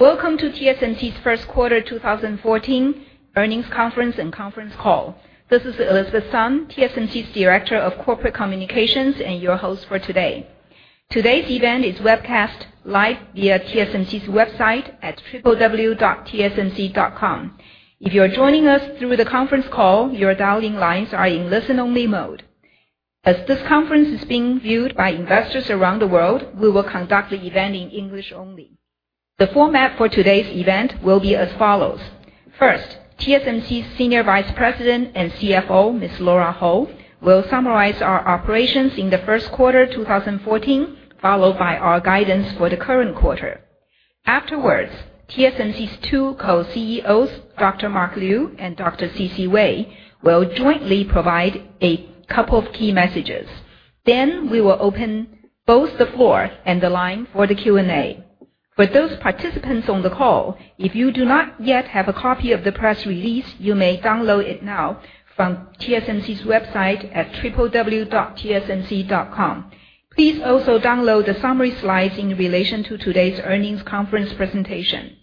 Welcome to TSMC's first quarter 2014 earnings conference and conference call. This is Elizabeth Sun, TSMC's Director of Corporate Communications and your host for today. Today's event is webcast live via tsmc.com. If you're joining us through the conference call, your dialing lines are in listen-only mode. As this conference is being viewed by investors around the world, we will conduct the event in English only. The format for today's event will be as follows. First, TSMC's Senior Vice President and CFO, Ms. Lora Ho, will summarize our operations in the first quarter 2014, followed by our guidance for the current quarter. Afterwards, TSMC's two Co-CEOs, Dr. Mark Liu and Dr. C.C. Wei, will jointly provide a couple of key messages. We will open both the floor and the line for the Q&A. For those participants on the call, if you do not yet have a copy of the press release, you may download it now from tsmc.com. Please also download the summary slides in relation to today's earnings conference presentation.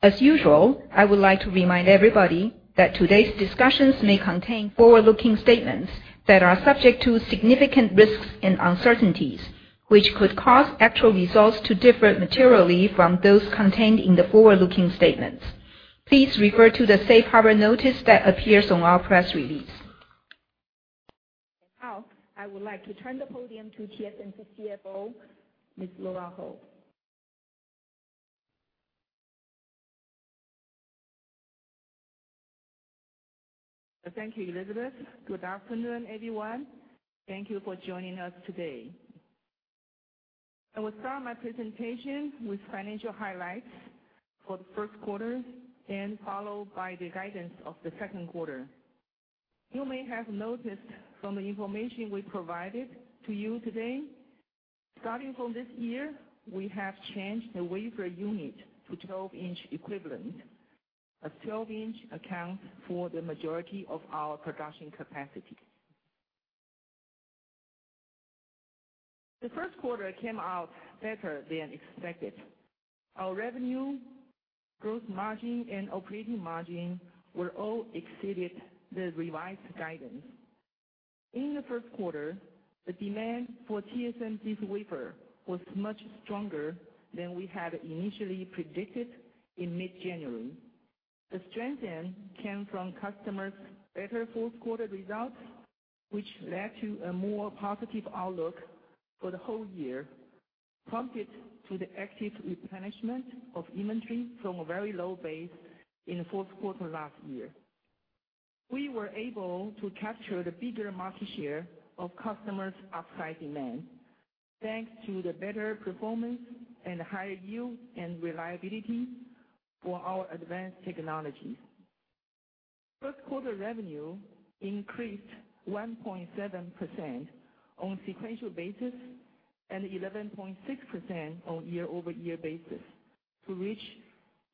As usual, I would like to remind everybody that today's discussions may contain forward-looking statements that are subject to significant risks and uncertainties, which could cause actual results to differ materially from those contained in the forward-looking statements. Please refer to the safe harbor notice that appears on our press release. I would like to turn the podium to TSMC CFO, Ms. Lora Ho. Thank you, Elizabeth. Good afternoon, everyone. Thank you for joining us today. I will start my presentation with financial highlights for the first quarter, followed by the guidance of the second quarter. You may have noticed from the information we provided to you today, starting from this year, we have changed the wafer unit to 12-inch equivalent. A 12-inch accounts for the majority of our production capacity. The first quarter came out better than expected. Our revenue, Gross Margin, and operating margin were all exceeded the revised guidance. In the first quarter, the demand for TSMC's wafer was much stronger than we had initially predicted in mid-January. The strength came from customers' better fourth quarter results, which led to a more positive outlook for the whole year, prompted to the active replenishment of inventory from a very low base in the fourth quarter last year. We were able to capture the bigger market share of customers' upside demand thanks to the better performance and higher yield and reliability for our advanced technologies. First quarter revenue increased 1.7% on sequential basis and 11.6% on year-over-year basis to reach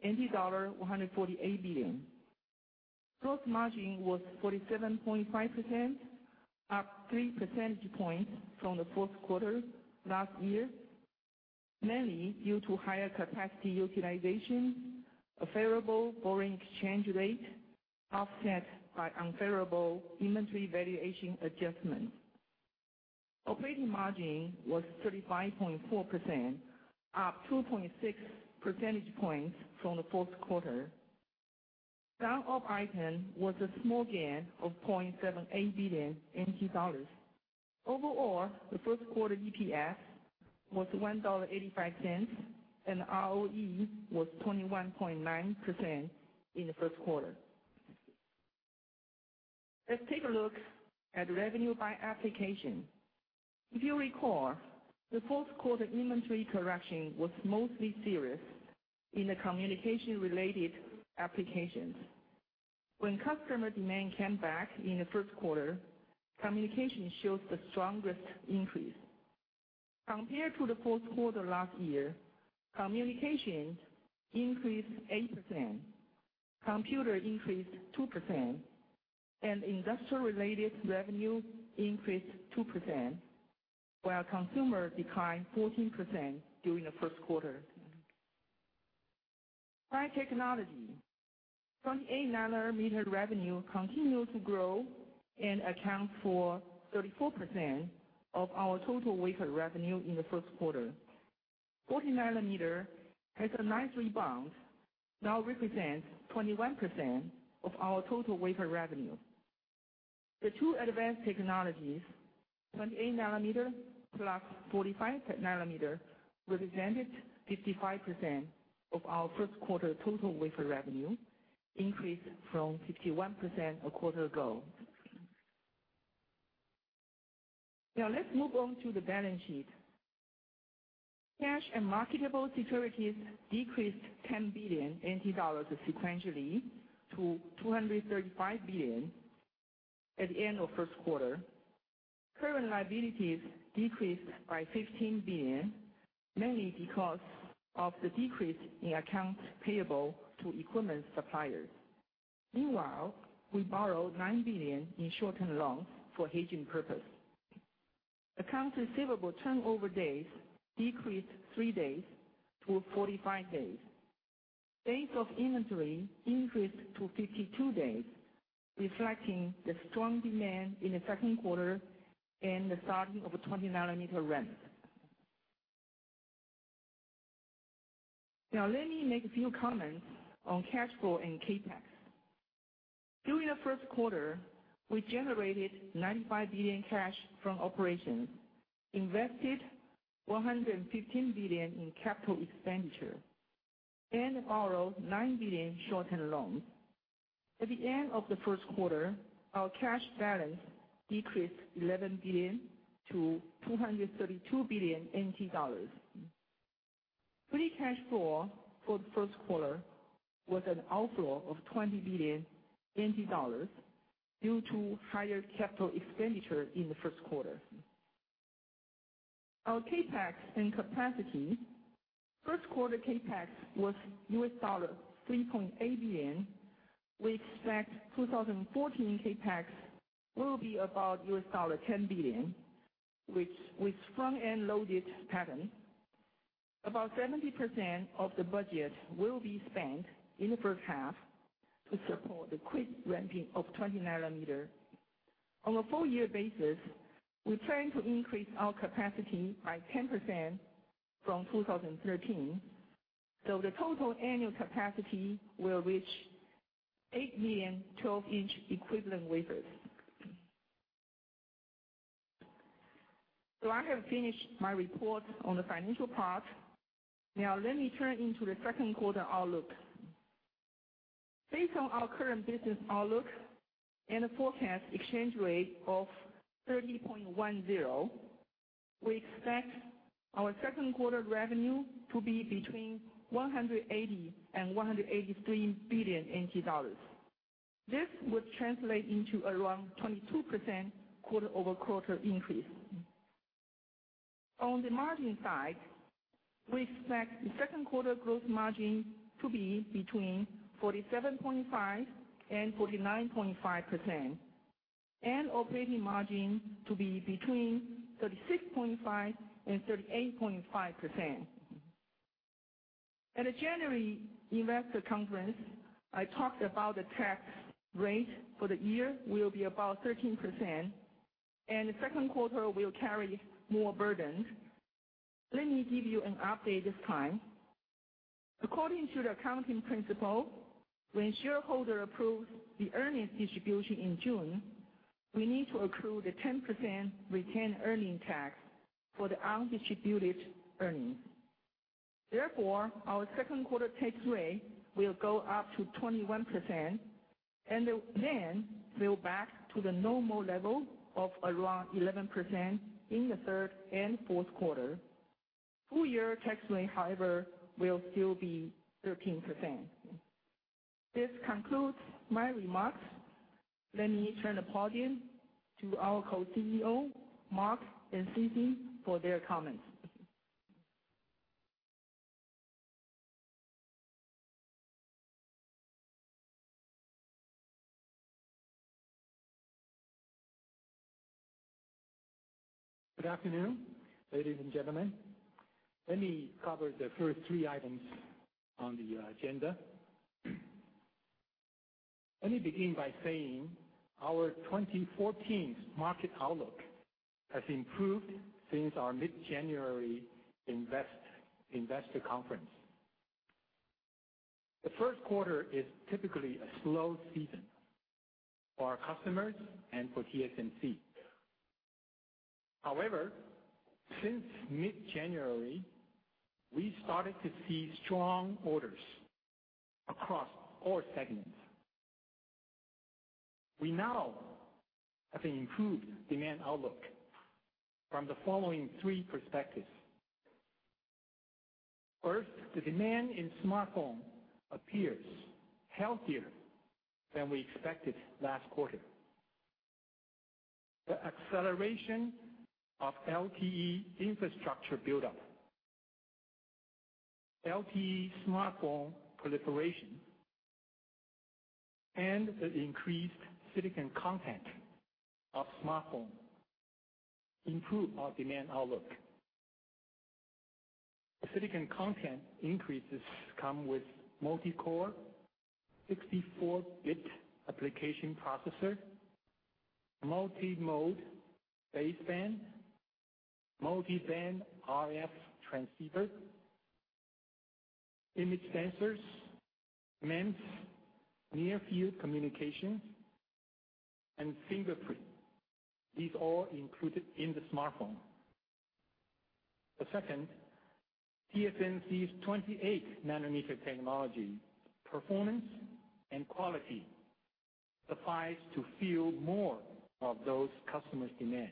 NT dollar 148 billion. Gross Margin was 47.5%, up 3 percentage points from the fourth quarter last year, mainly due to higher capacity utilization, a favorable foreign exchange rate, offset by unfavorable inventory valuation adjustment. Operating margin was 35.4%, up 2.6 percentage points from the fourth quarter. Non-op item was a small gain of 0.78 billion NT dollars. Overall, the first quarter EPS was TWD 1.85, and the ROE was 21.9% in the first quarter. Let's take a look at revenue by application. If you recall, the fourth quarter inventory correction was mostly serious in the communication-related applications. When customer demand came back in the first quarter, communication shows the strongest increase. Compared to the fourth quarter last year, communications increased 8%, computer increased 2%, and industrial-related revenue increased 2%, while consumer declined 14% during the first quarter. By technology, 28-nanometer revenue continued to grow and account for 34% of our total wafer revenue in the first quarter. 40-nanometer has a nice rebound, now represents 21% of our total wafer revenue. The two advanced technologies, 28-nanometer plus 40-nanometer, represented 55% of our first quarter total wafer revenue, increased from 51% a quarter ago. Now let's move on to the balance sheet. Cash and marketable securities decreased 10 billion NT dollars sequentially to 235 billion at the end of first quarter. Current liabilities decreased by 15 billion, mainly because of the decrease in accounts payable to equipment suppliers. Meanwhile, we borrowed 9 billion in short-term loans for hedging purpose. Accounts receivable turnover days decreased three days to 45 days. Days of inventory increased to 52 days, reflecting the strong demand in the second quarter and the starting of 20-nanometer ramp. Now let me make a few comments on cash flow and CapEx. During the first quarter, we generated 95 billion cash from operations, invested 115 billion in capital expenditure, and borrowed 9 billion short-term loans. At the end of the first quarter, our cash balance decreased 11 billion to 232 billion NT dollars. Free cash flow for the first quarter was an outflow of 20 billion NT dollars due to higher capital expenditure in the first quarter. Our CapEx and capacity. First quarter CapEx was US$3.8 billion. We expect 2014 CapEx will be about US$10 billion, with front-end loaded pattern. About 70% of the budget will be spent in the first half to support the quick ramping of 20-nanometer. On a full year basis, we plan to increase our capacity by 10% from 2013. So the total annual capacity will reach 8 million 12-inch equivalent wafers. So I have finished my report on the financial part. Now let me turn into the second quarter outlook. Based on our current business outlook and the forecast exchange rate of 30.10, we expect our second quarter revenue to be between 180 billion and 183 billion NT dollars. This would translate into around 22% quarter-over-quarter increase. On the margin side, we expect the second quarter Gross Margin to be between 47.5% and 49.5%, and operating margin to be between 36.5% and 38.5%. At the January investor conference, I talked about the tax rate for the year will be about 13%, and the second quarter will carry more burden. Let me give you an update this time. According to the accounting principle, when shareholder approves the earnings distribution in June, we need to accrue the 10% retained earning tax for the undistributed earnings. Therefore, our second quarter tax rate will go up to 21% and then go back to the normal level of around 11% in the third and fourth quarter. Full year tax rate, however, will still be 13%. This concludes my remarks. Let me turn the podium to our co-CEO, Mark and C.C., for their comments. Good afternoon, ladies and gentlemen. Let me cover the first three items on the agenda. Let me begin by saying our 2014 market outlook has improved since our mid-January investor conference. The first quarter is typically a slow season for our customers and for TSMC. Since mid-January, we started to see strong orders across all segments. We now have an improved demand outlook from the following three perspectives. First, the demand in smartphone appears healthier than we expected last quarter. The acceleration of LTE infrastructure buildup, LTE smartphone proliferation, and the increased silicon content of smartphone improve our demand outlook. Silicon content increases come with multi-core 64-bit application processor, multi-mode baseband, multi-band RF transceiver, image sensors, MEMS, near-field communication, and fingerprint. These are all included in the smartphone. The second, TSMC's 28 nanometer technology performance and quality suffice to fill more of those customer demand.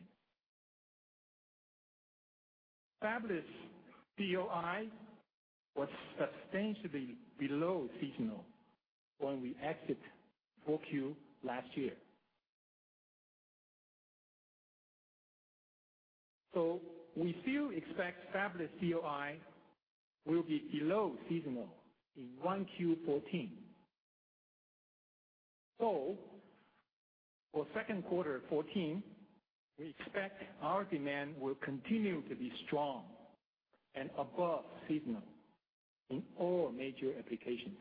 Fabless DOI was substantially below seasonal when we exit 4Q last year. We still expect fabless DOI will be below seasonal in 1Q14. For second quarter '14, we expect our demand will continue to be strong and above seasonal in all major applications.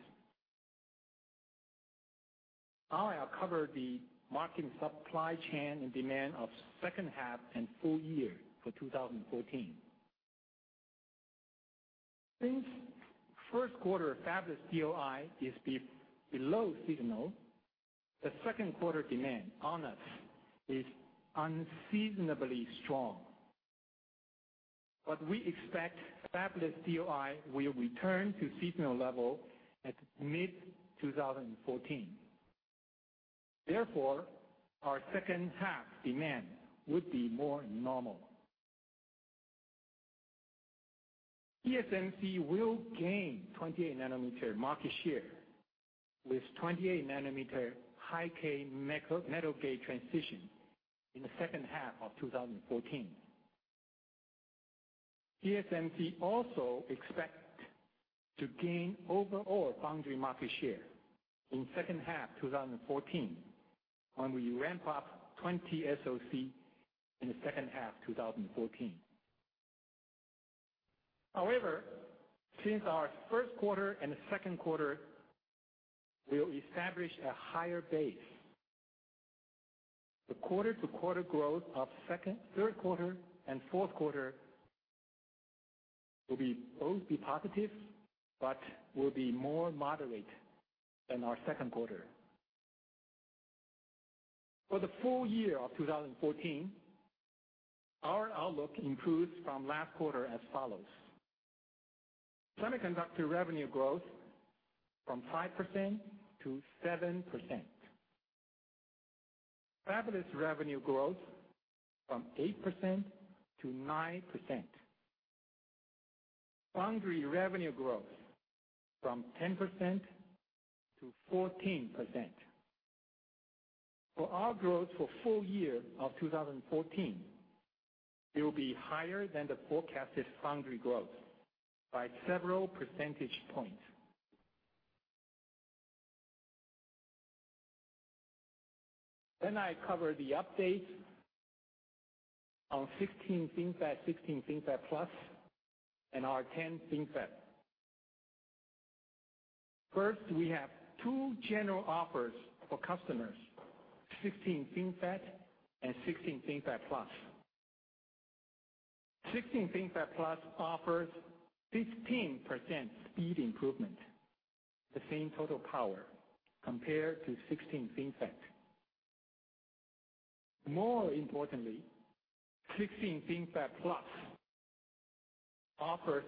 I have covered the market supply chain and demand of second half and full year for 2014. Since first quarter fabless DOI is below seasonal, the second quarter demand on us is unseasonably strong. We expect fabless DOI will return to seasonal level at mid-2014. Our second half demand would be more normal. TSMC will gain 28 nanometer market share with 28 nanometer High-K metal gate transition in the second half of 2014. TSMC also expect to gain overall foundry market share in second half 2014, when we ramp up 20 SOC in the second half 2014. Since our first quarter and second quarter will establish a higher base, the quarter-to-quarter growth of third quarter and fourth quarter will both be positive but will be more moderate than our second quarter. For the full year of 2014, our outlook improves from last quarter as follows. Semiconductor revenue growth from 5%-7%. Fabless revenue growth from 8%-9%. Foundry revenue growth from 10%-14%. For our growth for full year of 2014, it will be higher than the forecasted foundry growth by several percentage points. I cover the updates on 16 FinFET, 16 FinFET Plus, and our 10 FinFET. First, we have two general offers for customers, 16 FinFET and 16 FinFET Plus. 16 FinFET Plus offers 15% speed improvement, the same total power compared to 16 FinFET. More importantly, 16 FinFET Plus offers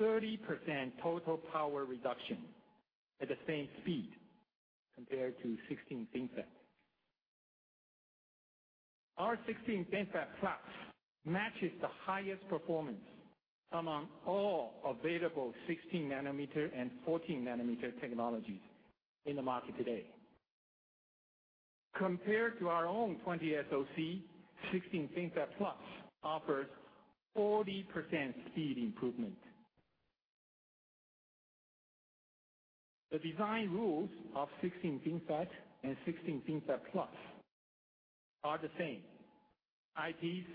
30% total power reduction at the same speed compared to 16 FinFET. Our 16 FinFET Plus matches the highest performance among all available 16 nanometer and 14 nanometer technologies in the market today. Compared to our own 20 SOC, 16 FinFET Plus offers 40% speed improvement. The design rules of 16 FinFET and 16 FinFET Plus are the same. IPs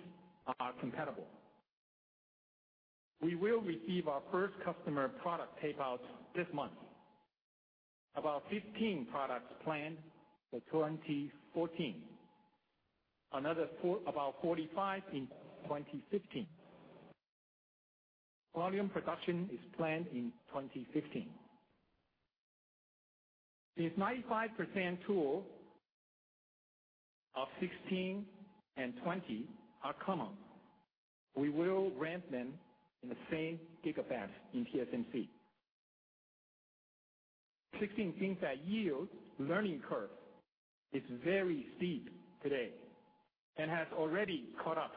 are compatible. We will receive our first customer product tape-out this month. About 15 products planned for 2014. Another about 45 in 2015. Volume production is planned in 2015. The 95% tool of 16 and 20 are common. We will ramp them in the same GIGAFABs in TSMC. 16 FinFET yield learning curve is very steep today and has already caught up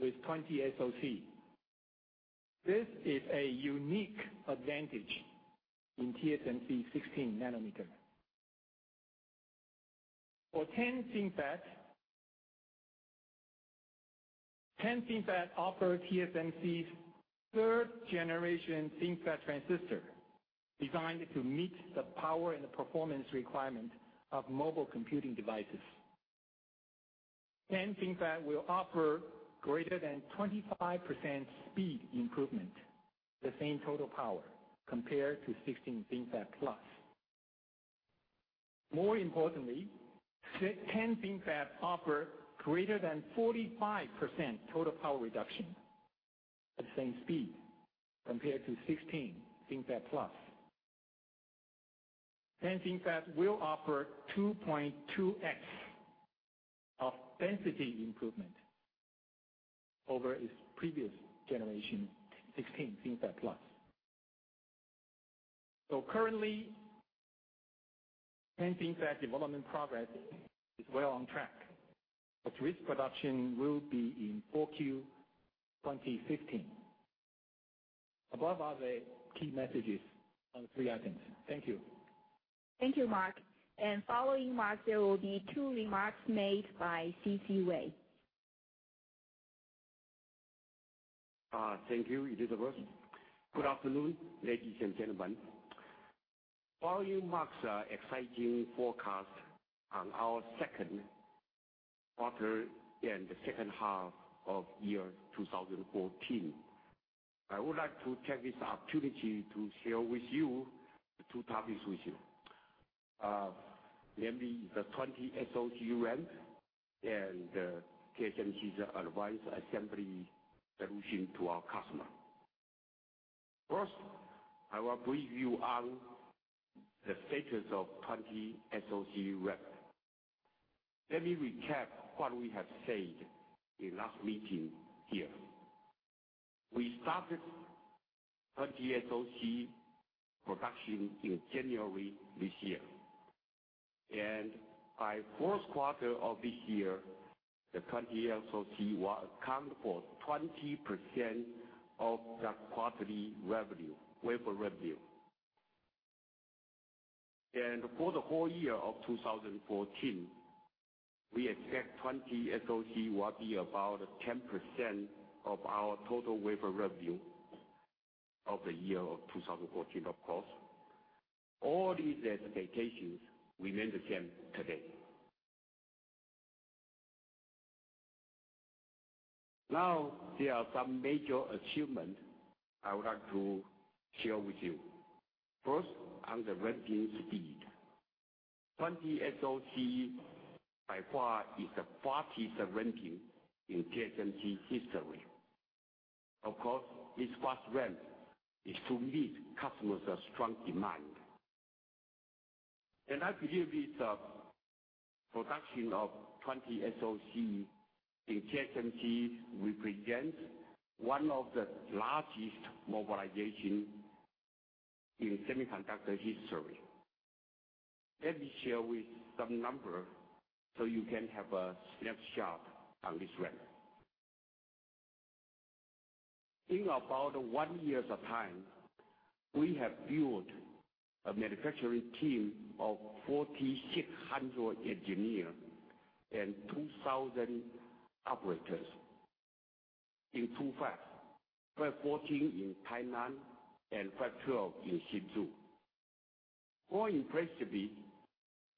with 20 SOC. This is a unique advantage in TSMC 16 nanometer. 10 FinFET, 10 FinFET offers TSMC's third generation FinFET transistor designed to meet the power and the performance requirement of mobile computing devices. 10 FinFET will offer greater than 25% speed improvement, the same total power compared to 16 FinFET Plus. More importantly, 10 FinFET offers greater than 45% total power reduction at the same speed compared to 16 FinFET Plus. 10 FinFET will offer 2.2x of density improvement over its previous generation, 16 FinFET Plus. Currently, 10 FinFET development progress is well on track, but risk production will be in 4Q 2015. Above are the key messages on the three items. Thank you. Thank you, Mark. Following Mark, there will be two remarks made by C.C. Wei. Thank you, Elizabeth. Good afternoon, ladies and gentlemen. While you mark the exciting forecast on our second quarter and the second half of year 2014, I would like to take this opportunity to share with you two topics with you. The 20 SOC ramp and TSMC's advanced assembly solution to our customer. First, I will brief you on the status of 20 SOC ramp. Let me recap what we have said in last meeting here. We started 20 SOC production in January this year, and by first quarter of this year, the 20 SOC will account for 20% of that quarterly revenue, wafer revenue. For the whole year of 2014, we expect 20 SOC will be about 10% of our total wafer revenue of the year of 2014, of course. All these expectations remain the same today. There are some major achievement I would like to share with you. First, on the ramping speed. 20 SOC by far is the fastest ramping in TSMC's history. Of course, this fast ramp is to meet customers' strong demand. I believe with the production of 20 SOC in TSMC, we present one of the largest mobilization in semiconductor history. Let me share with some number so you can have a snapshot on this ramp. In about one years of time, we have built a manufacturing team of 4,600 engineer and 2,000 operators in two fabs, Fab 14 in Tainan and Fab 12 in Hsinchu. More impressively,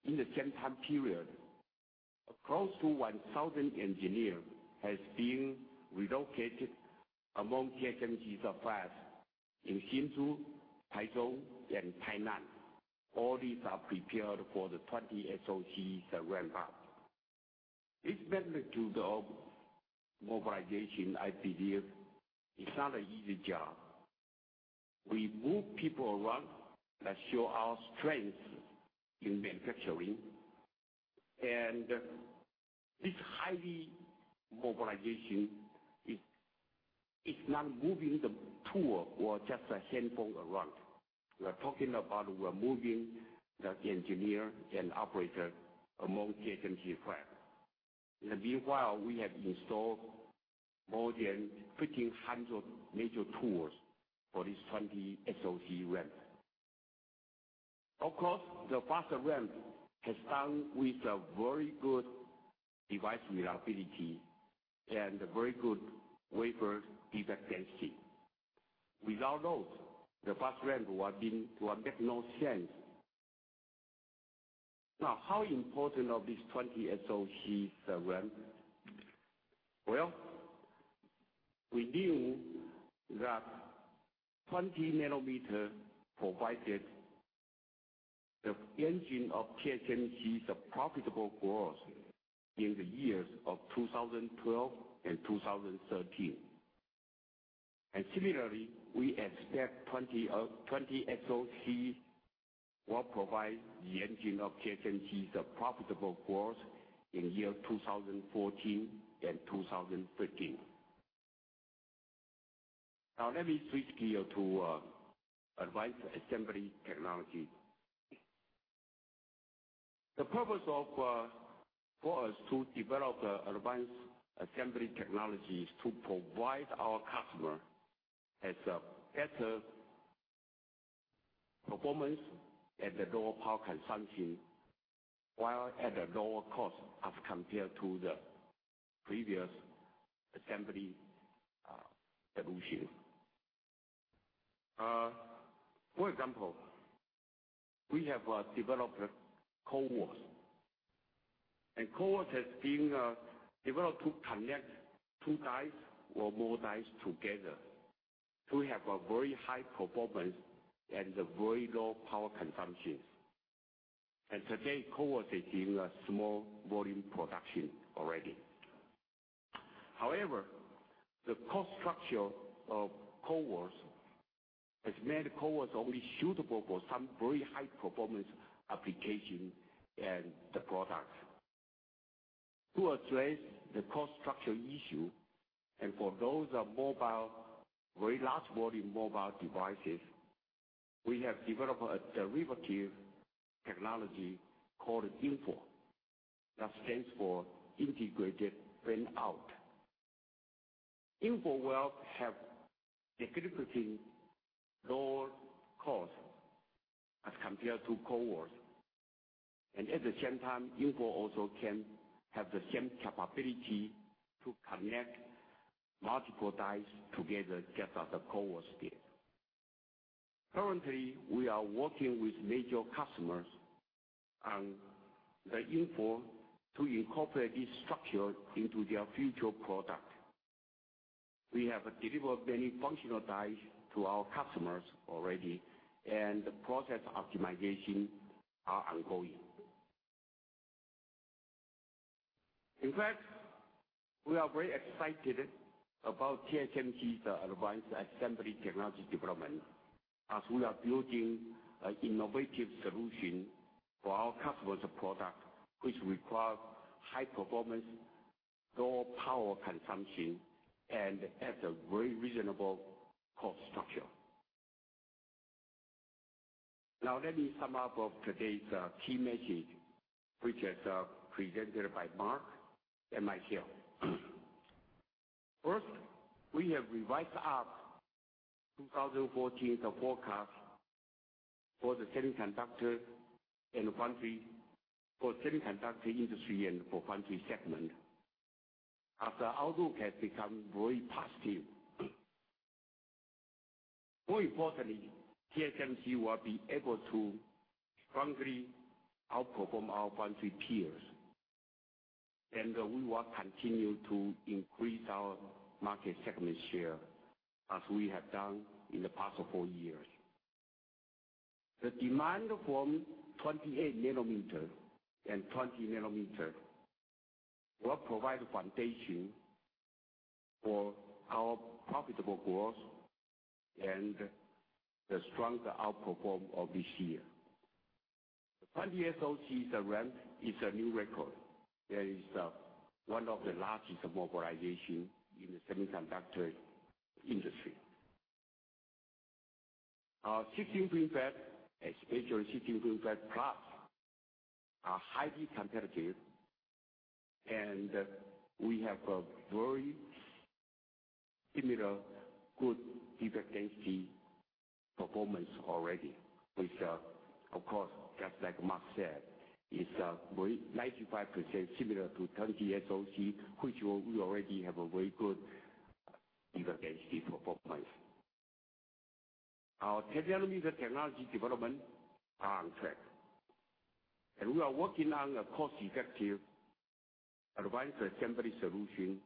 in the same time period, across to 1,000 engineer has been relocated among TSMC's fabs in Hsinchu, Taichung, and Tainan. All these are prepared for the 20 SOC ramp-up. This magnitude of mobilization, I believe, is not an easy job. We move people around that show our strength in manufacturing, this high mobilization is not moving the tool or just a handful around. We're talking about we're moving the engineer and operator among TSMC fab. Meanwhile, we have installed more than 1,500 major tools for this 20 SOC ramp. Of course, the faster ramp has come with a very good device reliability and a very good wafer defect density. Without those, the fast ramp would make no sense. Now, how important of this 20 SOC ramp? Well, we knew that 20 nanometer provided the engine of TSMC's profitable growth in the years of 2012 and 2013. Similarly, we expect 20 SOC will provide the engine of TSMC's profitable growth in year 2014 and 2015. Now let me switch gear to advanced assembly technology. The purpose for us to develop the advanced assembly technology is to provide our customer as a better performance at the lower power consumption, while at a lower cost as compared to the previous assembly solution. For example, we have developed CoWoS. CoWoS has been developed to connect two dies or more dies together to have a very high performance and a very low power consumption. Today, CoWoS is in a small volume production already. However, the cost structure of CoWoS has made CoWoS only suitable for some very high-performance application and the products. To address the cost structure issue, and for those very large volume mobile devices, we have developed a derivative technology called InFO, that stands for Integrated Fan-out. InFO will have significantly lower cost compared to CoWoS. At the same time, InFO also can have the same capability to connect multiple dies together just as a CoWoS did. Currently, we are working with major customers on the InFO to incorporate this structure into their future product. We have delivered many functional dies to our customers already, and the process optimization are ongoing. In fact, we are very excited about TSMC's advanced assembly technology development, as we are building an innovative solution for our customer's product, which requires high performance, low power consumption, and has a very reasonable cost structure. Now let me sum up of today's key message, which is presented by Mark and myself. First, we have revised up 2014's forecast for the semiconductor industry and for foundry segment, as the outlook has become very positive. More importantly, TSMC will be able to strongly outperform our foundry peers, and we will continue to increase our market segment share as we have done in the past four years. The demand from 28 nanometer and 20 nanometer will provide a foundation for our profitable growth and the stronger outperformance of this year. The 20 SOCs ramp is a new record. That is one of the largest mobilizations in the semiconductor industry. Our 16 FinFET, especially 16 FinFET Plus, are highly competitive, and we have a very similar good defect density performance already, which, of course, just like Mark said, is 95% similar to 20 SOC, which we already have a very good defect density performance. Our 10-nanometer technology development are on track, and we are working on a cost-effective, advanced assembly solution,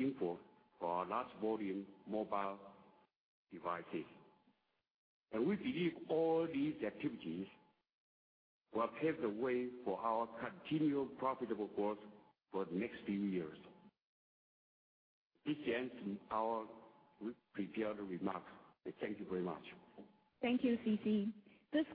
InFO, for our large volume mobile devices. We believe all these activities will pave the way for our continued profitable growth for the next few years. This ends our prepared remarks. Thank you very much. Thank you, C.C. This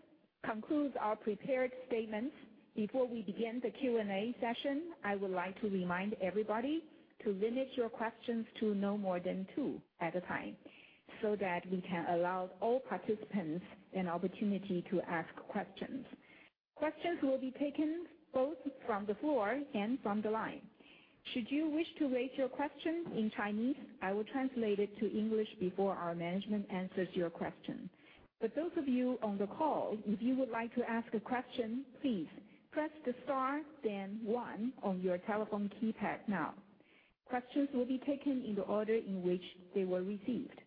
concludes our prepared statements. Before we begin the Q&A session, I would like to remind everybody to limit your questions to no more than two at a time so that we can allow all participants an opportunity to ask questions. Questions will be taken both from the floor and from the line. Should you wish to raise your question in Chinese, I will translate it to English before our management answers your question. For those of you on the call, if you would like to ask a question, please press the star then one on your telephone keypad now. Questions will be taken in the order in which they were received.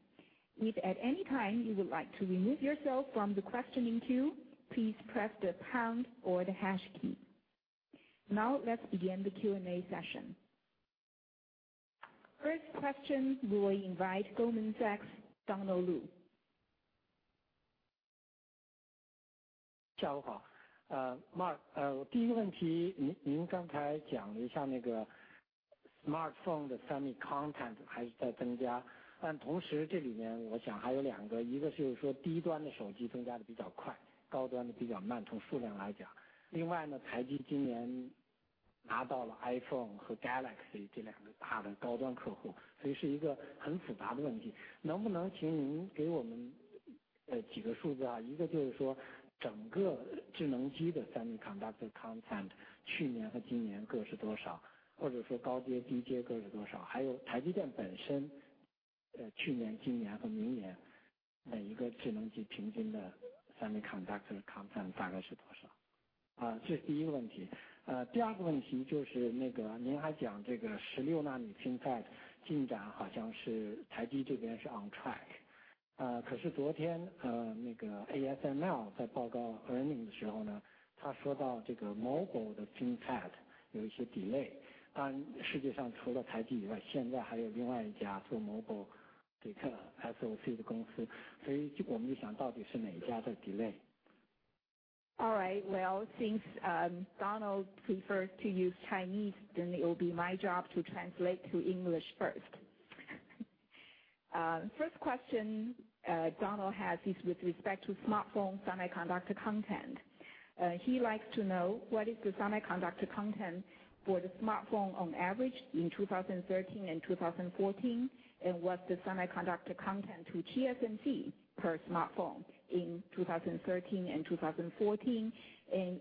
If at any time you would like to remove yourself from the questioning queue, please press the pound or the hash key. Let's begin the Q&A session. First question, we will invite Goldman Sachs, Donald Lu. Mark. smartphone semiconductor content? iPhone Galaxy high-end customer? semiconductor content last year and this year, or high-end, low-end? TSMC last year, this year, and next year, average semiconductor content question? 16-nanometer FinFET on track? ASML mobile FinFET delay? TSMC mobile SOC which company delay? All right, well, since Donald prefers to use Chinese, then it will be my job to translate to English first. First question Donald has is with respect to smartphone semiconductor content. He likes to know what is the semiconductor content for the smartphone on average in 2013 and 2014, and what's the semiconductor content to TSMC per smartphone in 2013 and 2014, and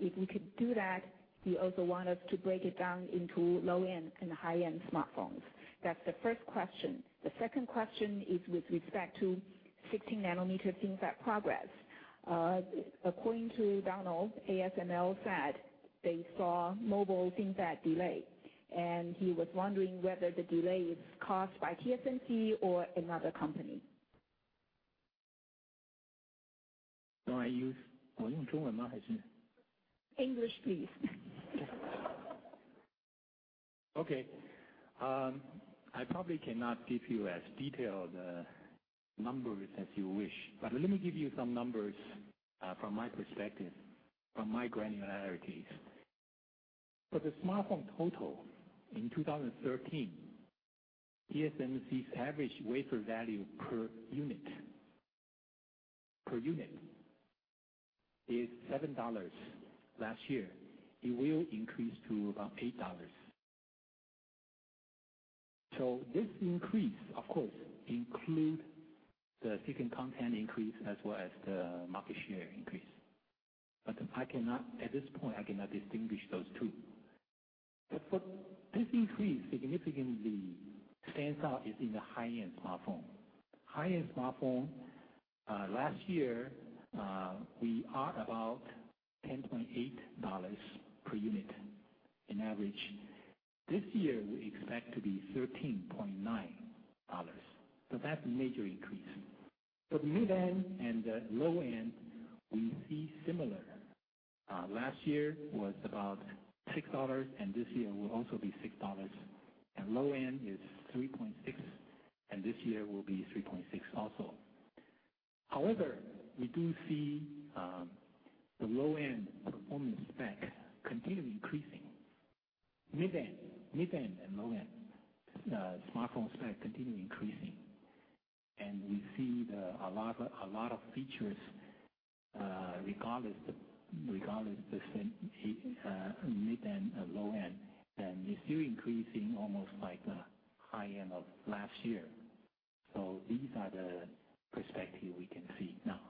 If we could do that, we also want us to break it down into low-end and high-end smartphones. That's the first question. The second question is with respect to 16 nanometer FinFET progress. According to Donald, ASML said they saw mobile FinFET delay, and he was wondering whether the delay is caused by TSMC or another company. Do I use? English, please. Okay. I probably cannot give you as detailed numbers as you wish, but let me give you some numbers from my perspective, from my granularities. For the smartphone total in 2013, TSMC's average wafer value per unit is 7 dollars last year. It will increase to about 8 dollars. This increase, of course, include the silicon content increase as well as the market share increase. At this point, I cannot distinguish those two. For this increase, significantly stands out is in the high-end smartphone. High-end smartphone, last year, we are about 10.8 dollars per unit on average. This year, we expect to be 13.9 dollars, so that's a major increase. For the mid-end and the low-end, we see similar. Last year was about 6 dollars, and this year will also be 6 dollars. Low-end is 3.6, and this year will be 3.6 also. We do see the low-end performance spec continually increasing. Mid-end and low-end smartphone specs continually increasing. We see a lot of features, regardless of the mid-end or low-end, and we're still increasing almost like the high-end of last year. These are the perspective we can see now.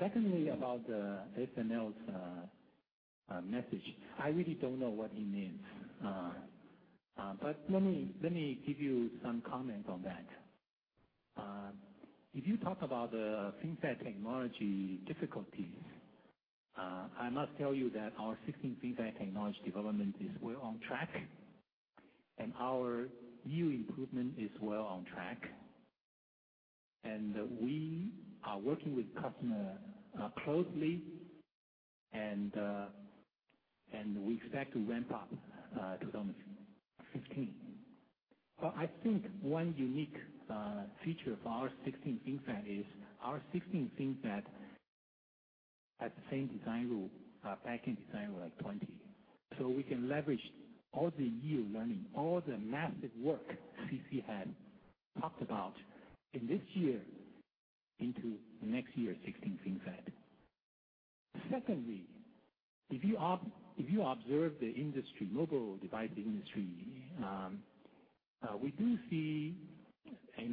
Secondly, about the ASML's message. I really don't know what he means. Let me give you some comment on that. If you talk about the FinFET technology difficulties, I must tell you that our 16 FinFET technology development is well on track, and our yield improvement is well on track, and we are working with customer closely, and we expect to ramp up 2015. I think one unique feature of our 16 FinFET is our 16 FinFET has the same design rule, back-end design rule of 20. We can leverage all the yield learning, all the massive work C.C. had talked about in this year into next year's 16 FinFET. Secondly, if you observe the mobile device industry, in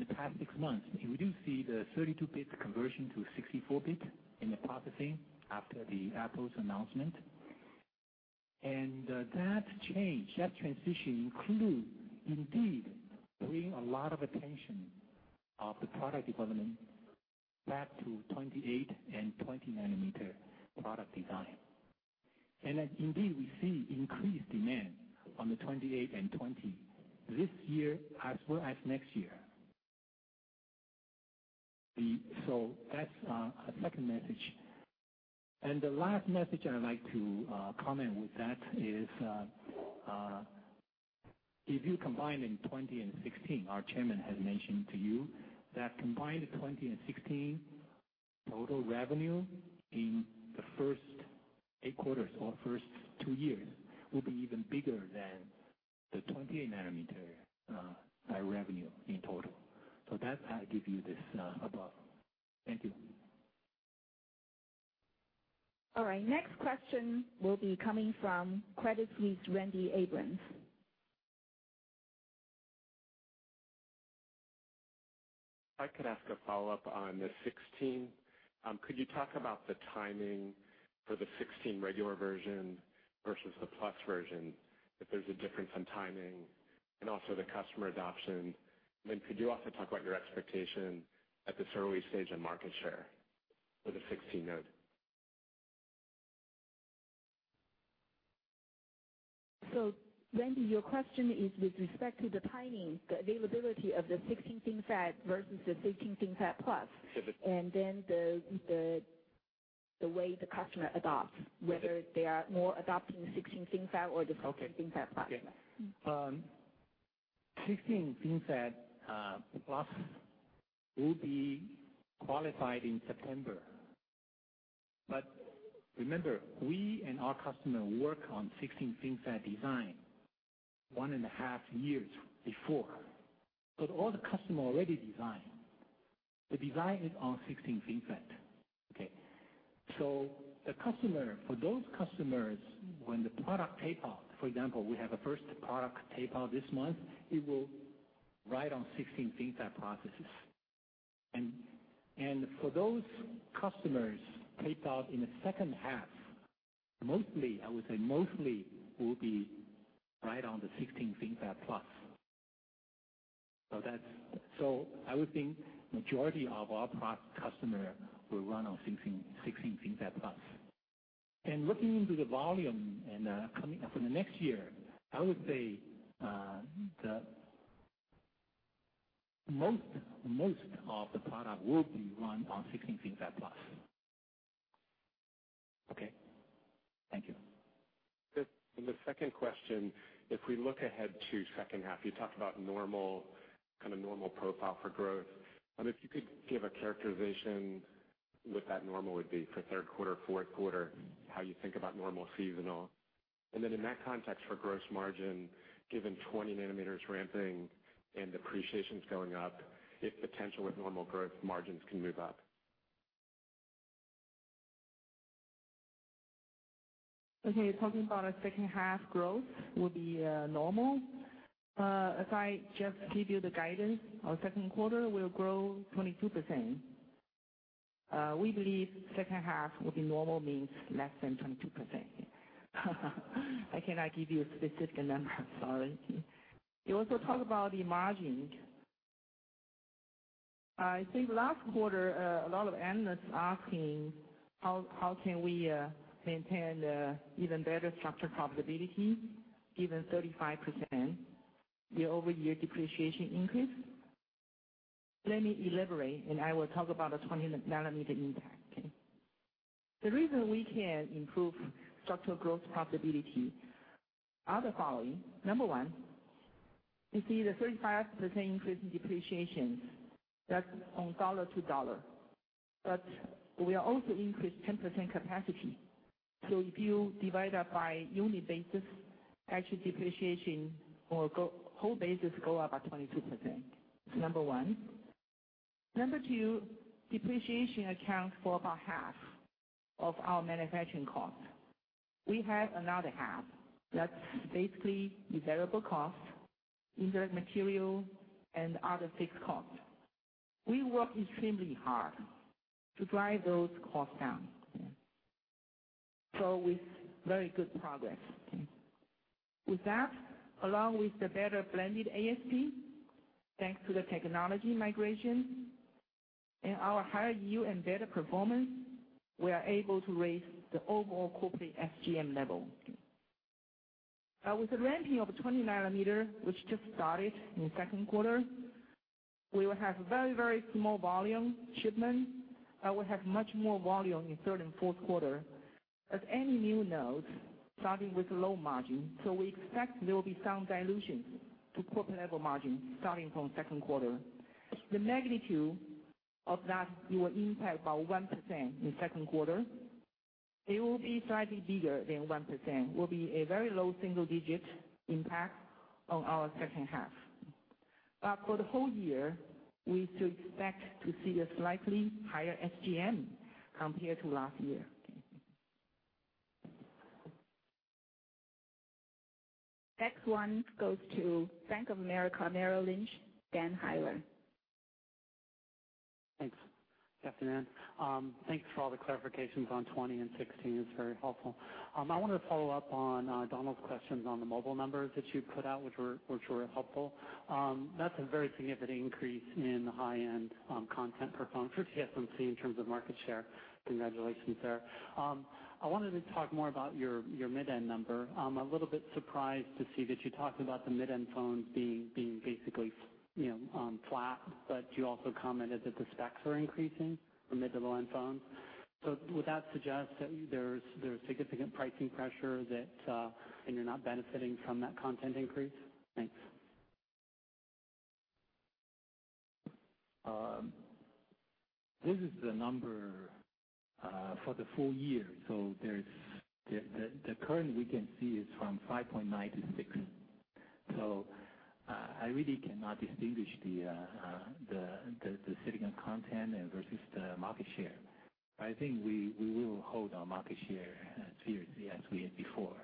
the past six months, we do see the 32-bit conversion to 64-bit in the processing after the Apple's announcement. That change, that transition include indeed bring a lot of attention of the product development back to 28-nanometer and 20-nanometer product design. Indeed, we see increased demand on the 28 and 20 this year as well as next year. That's a second message. The last message I like to comment with that is, if you combine in 20 and 16, our Chairman has mentioned to you that combined 20 and 16 total revenue in the first eight quarters or first two years will be even bigger than the 28-nanometer revenue in total. That's how I give you this above. Thank you. All right. Next question will be coming from Credit Suisse, Randy Abrams. If I could ask a follow-up on the 16. Could you talk about the timing for the 16 regular version versus the Plus version, if there's a difference in timing and also the customer adoption? Could you also talk about your expectation at this early stage of market share for the 16 node? Randy, your question is with respect to the timing, the availability of the 16 FinFET versus the 16 FinFET Plus. Yes. The way the customer adopts, whether they are more adopting 16 FinFET or the 16 FinFET Plus. 16 FinFET Plus will be qualified in September. Remember, we and our customer work on 16 FinFET design one and a half years before. All the customer already design. The design is on 16 FinFET. For those customers, when the product tape-out, for example, we have a first product tape-out this month, it will run on 16 FinFET processes. For those customers taped out in the second half, I would say mostly will be run on the 16 FinFET Plus. I would think majority of our product customer will run on 16 FinFET Plus. Looking into the volume and coming up for the next year, I would say that most of the product will be run on 16 FinFET Plus. Okay. Thank you. The second question, if we look ahead to second half, you talked about normal profile for growth. If you could give a characterization what that normal would be for third quarter, fourth quarter, how you think about normal seasonal. Then in that context for Gross Margin, given 20 nanometers ramping and depreciations going up, if potential with normal Gross Margin can move up. Talking about our second half growth will be normal. As I just give you the guidance, our second quarter will grow 22%. We believe second half will be normal, means less than 22%. I cannot give you a specific number, sorry. You also talk about the Gross Margin. I think last quarter, a lot of analysts asking how can we maintain even better structural profitability, given 35% year-over-year depreciation increase. Let me elaborate. I will talk about the 20 nanometer impact. The reason we can improve structural profitability are the following. Number one, you see the 35% increase in depreciation. That's on dollar-to-dollar. We also increased 10% capacity. If you divide that by unit basis, actually depreciation or whole basis go up by 22%. That's number one. Number two, depreciation accounts for about half of our manufacturing cost. We have another half. That's basically variable cost, indirect material, and other fixed cost. We work extremely hard to drive those costs down. With very good progress. With that, along with the better blended ASP, thanks to the technology migration and our higher yield and better performance, we are able to raise the overall corporate SGM level. With the ramping of 20 nanometer, which just started in the second quarter, we will have very, very small volume shipment, and we have much more volume in third and fourth quarter. Any new node, starting with low Gross Margin, we expect there will be some dilutions to corporate level Gross Margin starting from second quarter. The magnitude of that will impact about 1% in second quarter. It will be slightly bigger than 1%, will be a very low single-digit impact on our second half. for the whole year, we still expect to see a slightly higher SGM compared to last year. Next one goes to Bank of America, Merrill Lynch, Dan Heyler. Thanks. Good afternoon. Thanks for all the clarifications on 20 and 16. It's very helpful. I wanted to follow up on Donald's questions on the mobile numbers that you put out, which were helpful. That's a very significant increase in high-end content per phone for TSMC in terms of market share. Congratulations there. I wanted to talk more about your mid-end number. I'm a little bit surprised to see that you talked about the mid-end phones being basically flat, but you also commented that the specs are increasing for mid to low-end phones. Would that suggest that there's significant pricing pressure and you're not benefiting from that content increase? Thanks. This is the number for the full year. The current we can see is from 5.9 to six. I really cannot distinguish the silicon content versus the market share. I think we will hold our market share fiercely as we had before.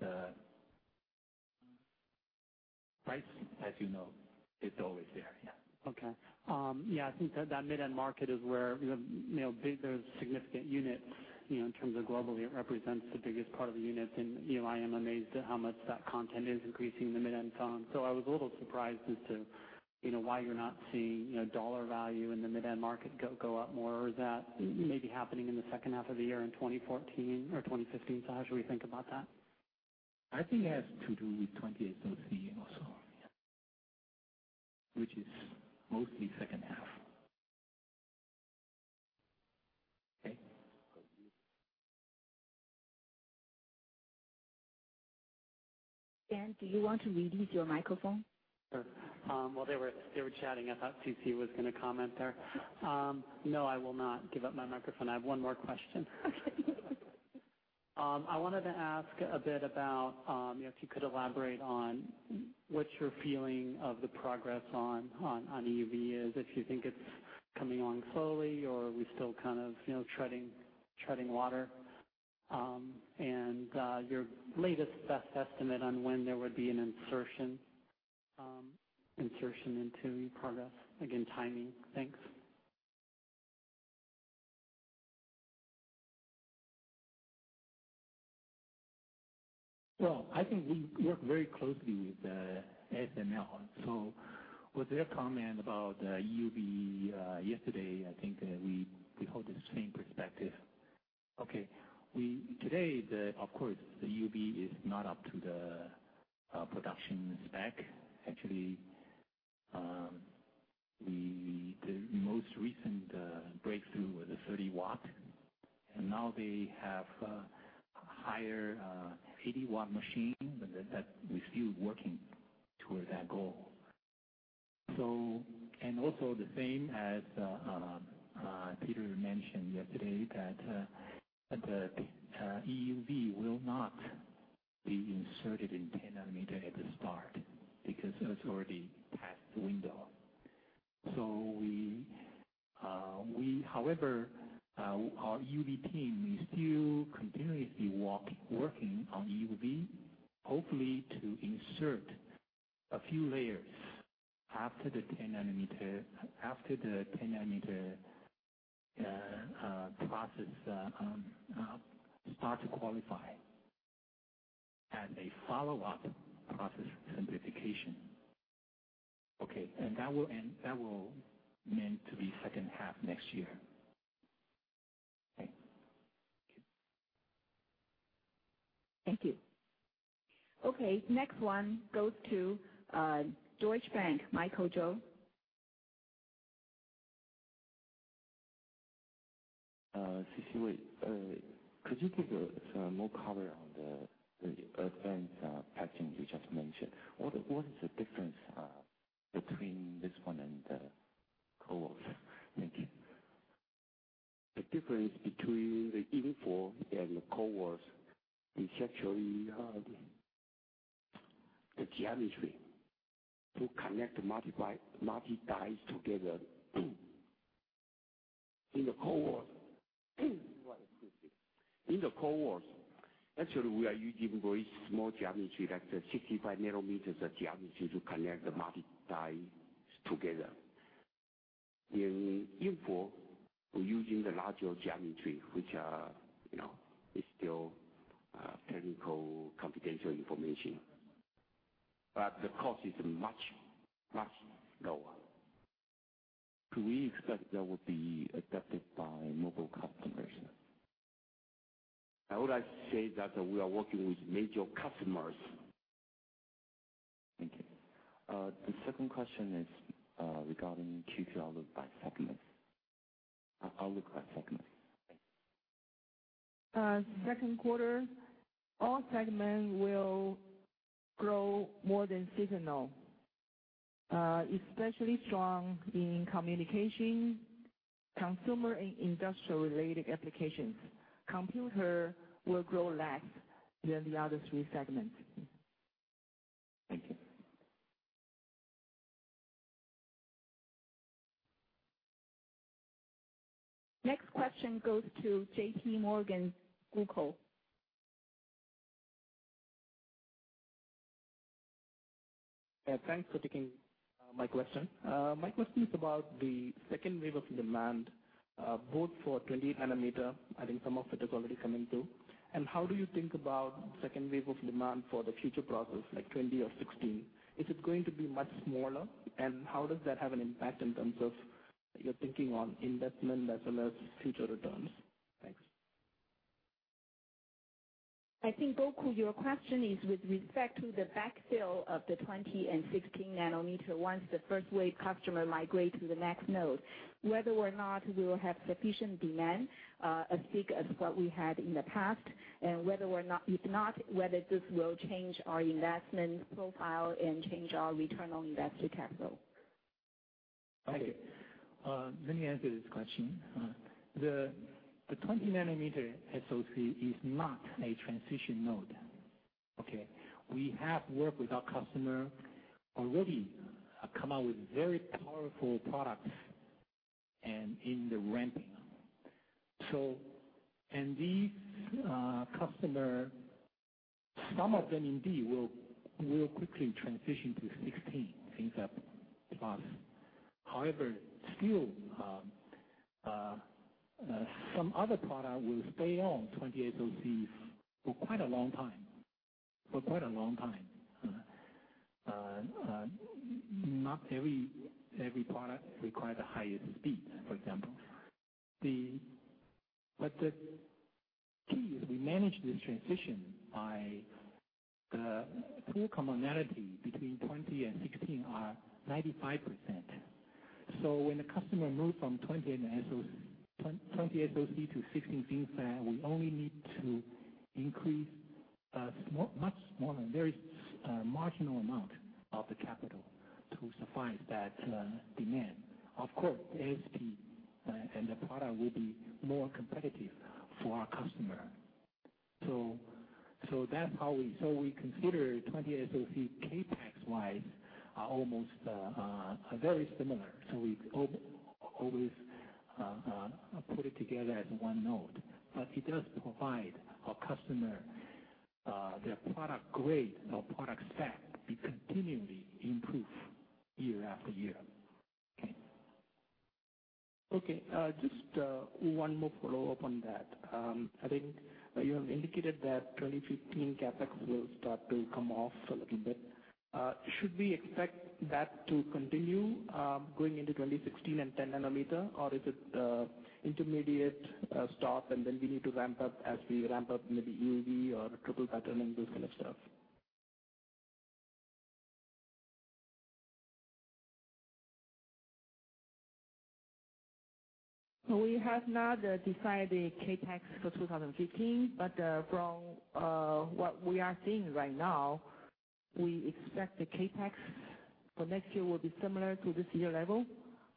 The price, as you know, is always there. Okay, yeah, I think that mid-end market is where there's significant units, in terms of globally, it represents the biggest part of the units. I am amazed at how much that content is increasing in the mid-end phone. I was a little surprised as to why you're not seeing TWD value in the mid-end market go up more, or is that maybe happening in the second half of the year in 2014 or 2015? How should we think about that? I think it has to do with 28nm SoC also. Which is mostly second half. Okay. Dan, do you want to reduce your microphone? Sure. While they were chatting, I thought C.C. was going to comment there. No, I will not give up my microphone. I have one more question. I wanted to ask a bit about if you could elaborate on what your feeling of the progress on EUV is, if you think it's coming along slowly, or are we still treading water? Your latest best estimate on when there would be an insertion into your progress. Again, timing. Thanks. I think we work very closely with ASML. With their comment about EUV yesterday, I think that we hold the same perspective. Today, of course, the EUV is not up to the production spec. Actually, the most recent breakthrough was a 30-watt, now they have a higher 80-watt machine, we're still working towards that goal. Also the same as Peter mentioned yesterday, that the EUV will not be inserted in 10-nanometer at the start because that's already past the window. However, our EUV team is still continuously working on EUV, hopefully to insert a few layers after the 10-nanometer process starts to qualify as a follow-up process simplification. That will meant to be second half next year. Thank you. Thank you. Next one goes to Deutsche Bank, Michael Zhou. C.C. Wei, could you give us more color on the advanced packaging you just mentioned? What is the difference between this one and CoWoS? Thank you. The difference between the InFO and the CoWoS is actually the geometry to connect multi-dies together. In the CoWoS, actually, we are using very small geometry, like the 65-nanometer of geometry to connect the multi-die together. In InFO, we're using the larger geometry, which is still technical, confidential information. The cost is much, much lower. Could we expect that will be adopted by mobile customers? I would like to say that we are working with major customers. Thank you. The second question is regarding Q2 outlook by segment. Outlook by segment. Second quarter, all segments will grow more than seasonal, especially strong in communication, consumer, and industrial-related applications. Computer will grow less than the other three segments. Thank you. Next question goes to J.P. Morgan, Gokul. Thanks for taking my question. My question is about the second wave of demand, both for 20-nanometer, I think some of it is already coming through, and how do you think about second wave of demand for the future process, like 20 or 16? Is it going to be much smaller, and how does that have an impact in terms of your thinking on investment as well as future returns? Thanks. I think, Gokul, your question is with respect to the backfill of the 20-nanometer and 16-nanometer once the first-wave customer migrate to the next node, whether or not we will have sufficient demand as big as what we had in the past, and if not, whether this will change our investment profile and change our return on invested capital. Okay. Let me answer this question. The 20-nanometer SoC is not a transition node. Okay. We have worked with our customer already, come out with very powerful products and in the ramping. These customer, some of them indeed will quickly transition to 16 FinFET Plus. However, still, some other product will stay on 20 SoC for quite a long time. Not every product requires the highest speed, for example. The key is we manage this transition by the tool commonality between 20 and 16 are 95%. When the customer moves from 20 SoC to 16 FinFET, we only need to increase much smaller, very marginal amount of the capital to suffice that demand. Of course, the ASP and the product will be more competitive for our customer. We consider 28nm SoC CapEx-wise, are very similar. We always put it together as one node. It does provide our customer, their product grade or product spec be continually improved year after year. Okay. Just one more follow-up on that. I think you have indicated that 2015 CapEx will start to come off a little bit. Should we expect that to continue going into 20-to-16 and 10 nanometer, or is it intermediate stop, then we need to ramp up as we ramp up maybe EUV or triple pattern and those kind of stuff? We have not decided CapEx for 2015, but from what we are seeing right now, we expect the CapEx for next year will be similar to this year level.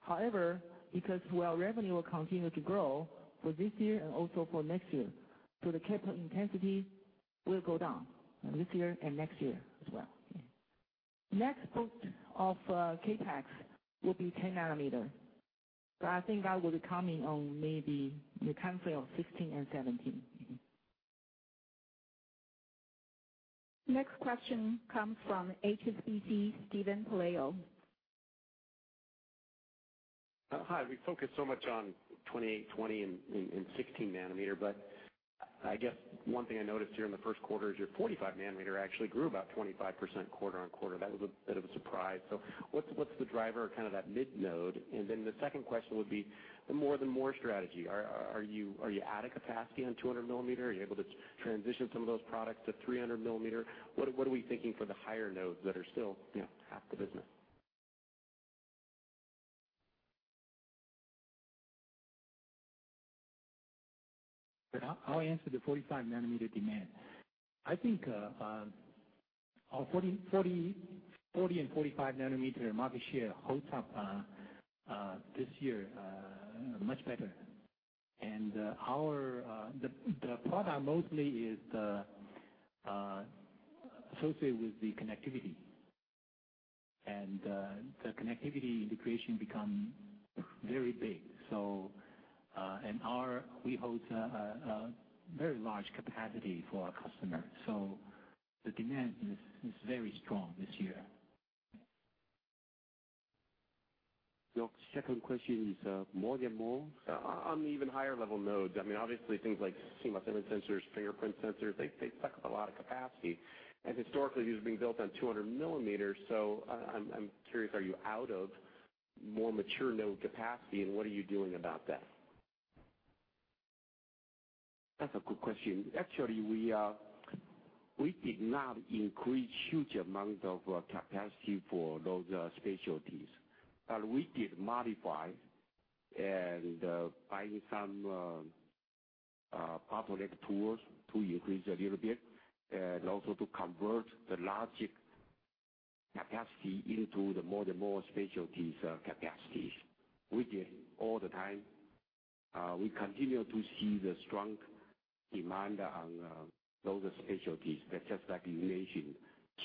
However, because our revenue will continue to grow for this year and also for next year. The capital intensity will go down this year and next year as well. Next boost of CapEx will be 10 nanometer. I think that will be coming on maybe the timeframe of 2016 and 2017. Next question comes from HSBC, Steven Pelayo. Hi. We focus so much on 28, 20, and 16 nanometer, I guess one thing I noticed here in the first quarter is your 40 nanometer actually grew about 25% quarter-on-quarter. That was a bit of a surprise. What's the driver of that mid node? The second question would be the More than Moore strategy. Are you out of capacity on 200 millimeter? Are you able to transition some of those products to 300 millimeter? What are we thinking for the higher nodes that are still half the business? I'll answer the 40 nanometer demand. I think our 40 and 40 nanometer market share holds up this year much better. The product mostly is associated with the connectivity. The connectivity integration become very big. We hold a very large capacity for our customers, the demand is very strong this year. The second question is more than more? On the even higher level nodes. Obviously things like CMOS image sensors, fingerprint sensors, they suck up a lot of capacity. Historically, these are being built on 200 millimeters, I'm curious, are you out of more mature node capacity, what are you doing about that? That's a good question. Actually, we did not increase huge amount of capacity for those specialties. We did modify and buying some bottleneck tools to increase a little bit and also to convert the logic capacity into the more than more specialties capacities. We did all the time. We continue to see the strong demand on those specialties, such as like you mentioned,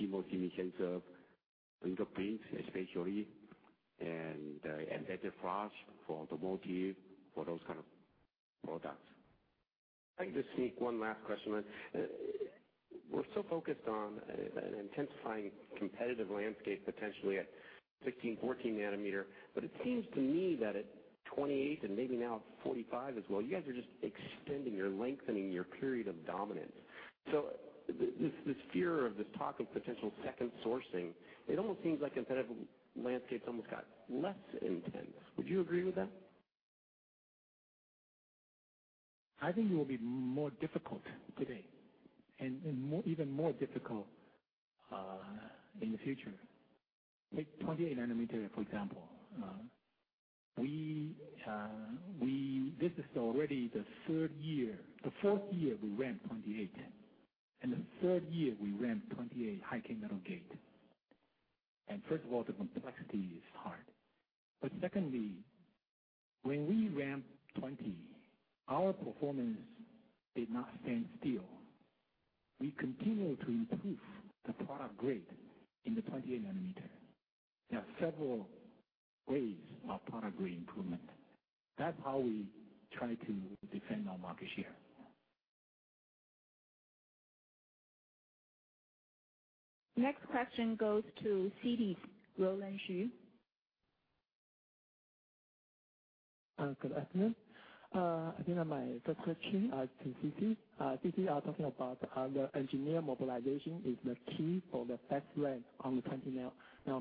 CMOS image sensor, fingerprint, especially, and embedded flash for automotive, for those kind of products. If I can just sneak one last question in. We're so focused on an intensifying competitive landscape potentially at 16, 14 nanometer, it seems to me that at 28 and maybe now 45 as well, you guys are just extending or lengthening your period of dominance. This fear of this talk of potential second sourcing, it almost seems like competitive landscape's almost got less intense. Would you agree with that? I think it will be more difficult today, even more difficult in the future. Take 28-nanometer, for example. This is already the fourth year we ramp 28, the third year we ramp 28 High-K metal gate. First of all, the complexity is hard. Secondly, when we ramp 20, our performance did not stand still. We continue to improve the product grade in the 28-nanometer. There are several ways of product grade improvement. That's how we try to defend our market share. Next question goes to Citigroup, Roland Shu. Good afternoon. I think my first question is to C.C. C.C. are talking about how the engineer mobilization is the key for the fast ramp on the 20-nanometer. I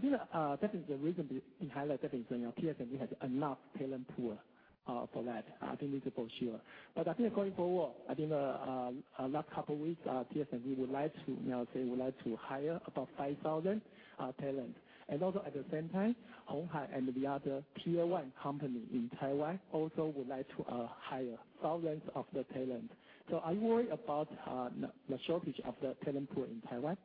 think that is the reason we highlight that TSMC has enough talent pool for that. I think this is for sure. I think going forward, I think last couple weeks, TSMC would like to hire about 5,000 talent. Also at the same time, Hon Hai and the other tier 1 company in Taiwan also would like to hire thousands of the talent. Are you worried about the shortage of the talent pool in Taiwan?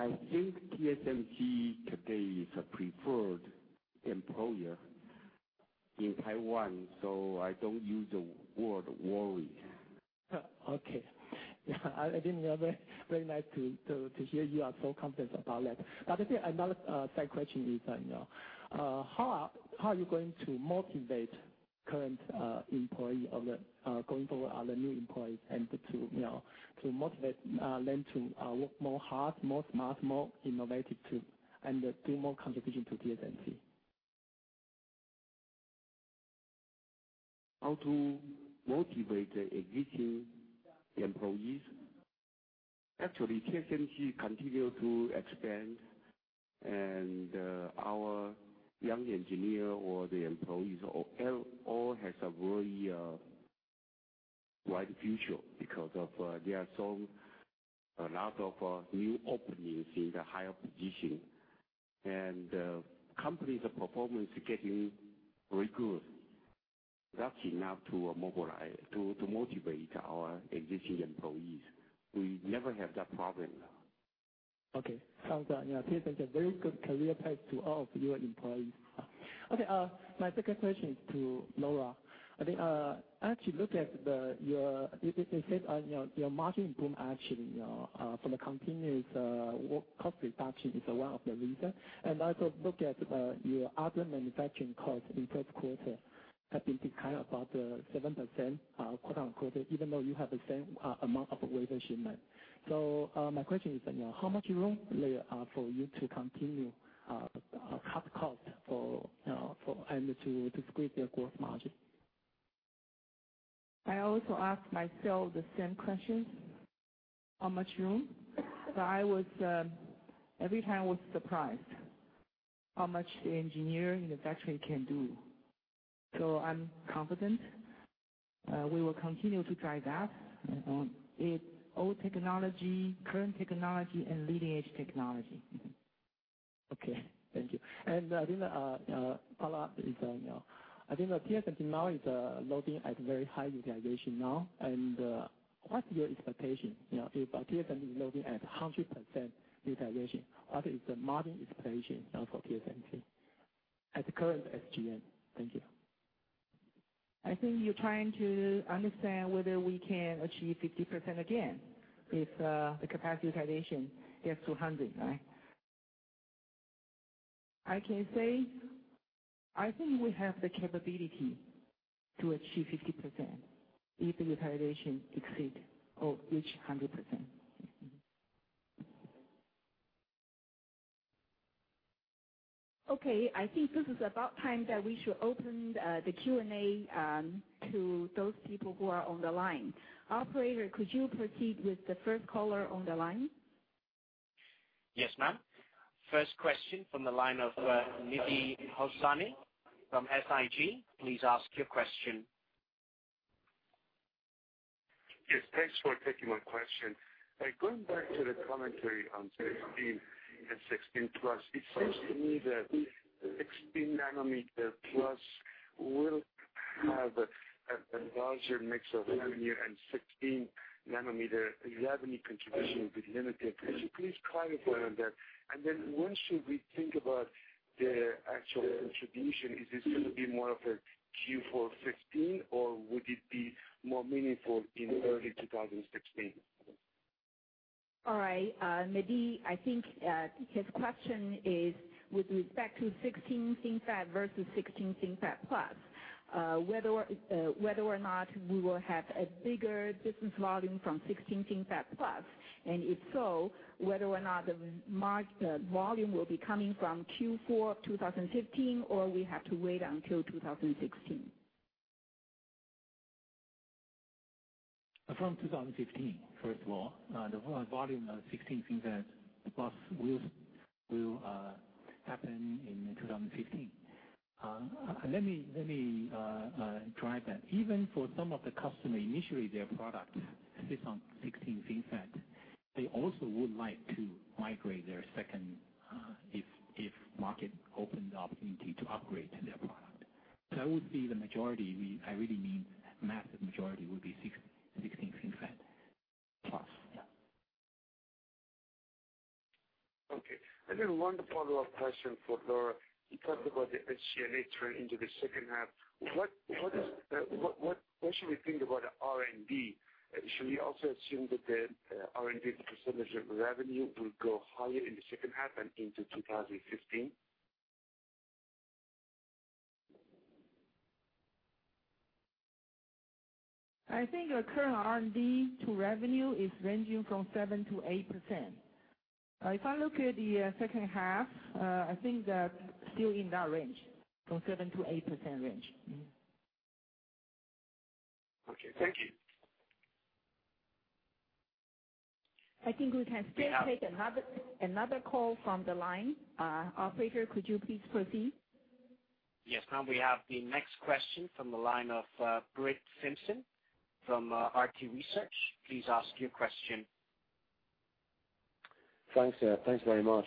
I think TSMC today is a preferred employer in Taiwan, I don't use the word worry. Okay. Yeah, very nice to hear you are so confident about that. I think another side question is, how are you going to motivate current employee going forward or the new employees, and to motivate them to work more hard, more smart, more innovative, and do more contribution to TSMC? How to motivate the existing employees. Actually, TSMC continue to expand, and our young engineer or the employees all have a very bright future, because there are a lot of new openings in the higher position. Company's performance is getting very good. That's enough to motivate our existing employees. We never have that problem. Okay. Sounds like TSMC has very good career path to all of your employees. Okay. My second question is to Lora. I look at your margin boom, from the continuous work cost reduction is one of the reason. I also look at your other manufacturing cost in first quarter have been declined about 7% quarter-on-quarter, even though you have the same amount of wafer shipment. My question is, how much room for you to continue cut cost and to squeeze their Gross Margin? I also ask myself the same question, how much room? Every time I was surprised how much the engineer in the factory can do. I'm confident we will continue to drive that in old technology, current technology, and leading-edge technology. Okay. Thank you. The follow-up is, TSMC is loading at very high utilization, what's your expectation? If TSMC is loading at 100% utilization, what is the margin expectation now for TSMC at the current SG&A? Thank you. You're trying to understand whether we can achieve 50% again, if the capacity utilization gets to 100%, right? I can say, we have the capability to achieve 50% if the utilization reach 100%. Okay, I think this is about time that we should open the Q&A to those people who are on the line. Operator, could you proceed with the first caller on the line? Yes, ma'am. First question from the line of Mehdi Hosseini from SIG. Please ask your question. Yes, thanks for taking my question. Going back to the commentary on 16 FinFET and 16 FinFET Plus, it seems to me that 16 FinFET Plus will have a larger mix of revenue, and 16 FinFET revenue contribution will be limited. Could you please clarify on that? Once we think about the actual contribution, is this going to be more of a Q4 2015, or would it be more meaningful in early 2016? All right. Mehdi, I think his question is with respect to 16 FinFET versus 16 FinFET Plus, whether or not we will have a bigger business volume from 16 FinFET Plus, and if so, whether or not the volume will be coming from Q4 2015, or we have to wait until 20-to-16. From 2015, first of all, the volume of 16 FinFET Plus will happen in 2015. Let me drive that. Even for some of the customer, initially their product sits on 16 FinFET. They also would like to migrate their second if market opens the opportunity to upgrade their product. That would be the majority. I really mean massive majority would be 16 FinFET Plus. Yeah. Okay. One follow-up question for Lora. You talked about the HCNA trend into the second half. What should we think about the R&D? Should we also assume that the R&D percentage of revenue will go higher in the second half and into 20-to-16? I think our current R&D to revenue is ranging from 7%-8%. If I look at the second half, I think that's still in that range, from 7%-8% range. Mm-hmm. Okay. Thank you. I think we can still take another call from the line. Operator, could you please proceed? Yes, ma'am. We have the next question from the line of Brett Simpson from Arete Research. Please ask your question. Thanks very much.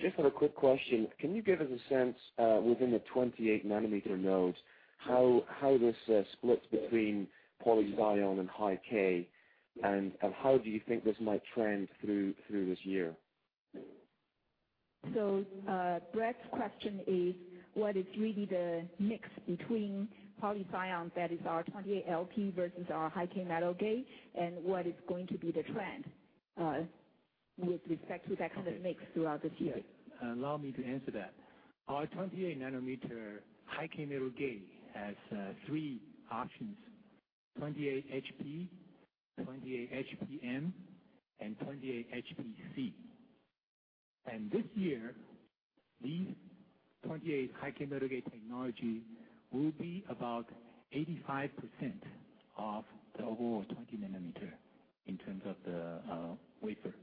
Just have a quick question. Can you give us a sense, within the 28 nanometer nodes, how this splits between polysilicon and High-K, and how do you think this might trend through this year? Brett's question is what is really the mix between polysilicon, that is our 28 LP versus our High-K metal gate, and what is going to be the trend with respect to that kind of mix throughout this year. Allow me to answer that. Our 28 nanometer High-K metal gate has three options: 28 HP, 28 HPM, and 28 HPC. This year, these 28 High-K metal gate technology will be about 85% of the overall 20 nanometer in terms of the wafer.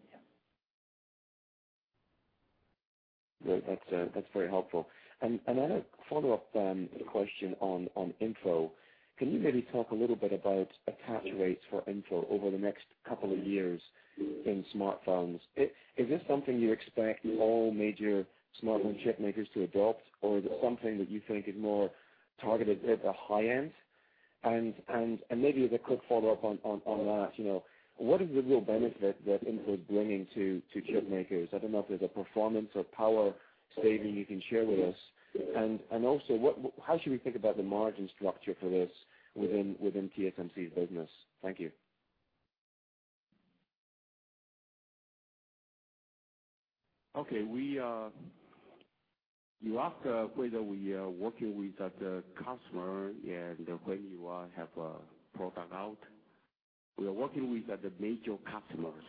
Yeah. Great. That's very helpful. Another follow-up question on InFO. Can you maybe talk a little bit about attach rates for InFO over the next couple of years in smartphones? Is this something you expect all major smartphone chip makers to adopt, or is it something that you think is more targeted at the high end? Maybe as a quick follow-up on that, what is the real benefit that InFO is bringing to chip makers? I don't know if there's a performance or power saving you can share with us. Also, how should we think about the margin structure for this within TSMC's business? Thank you. Okay. You asked whether we are working with the customer and when you will have a product out. We are working with the major customers.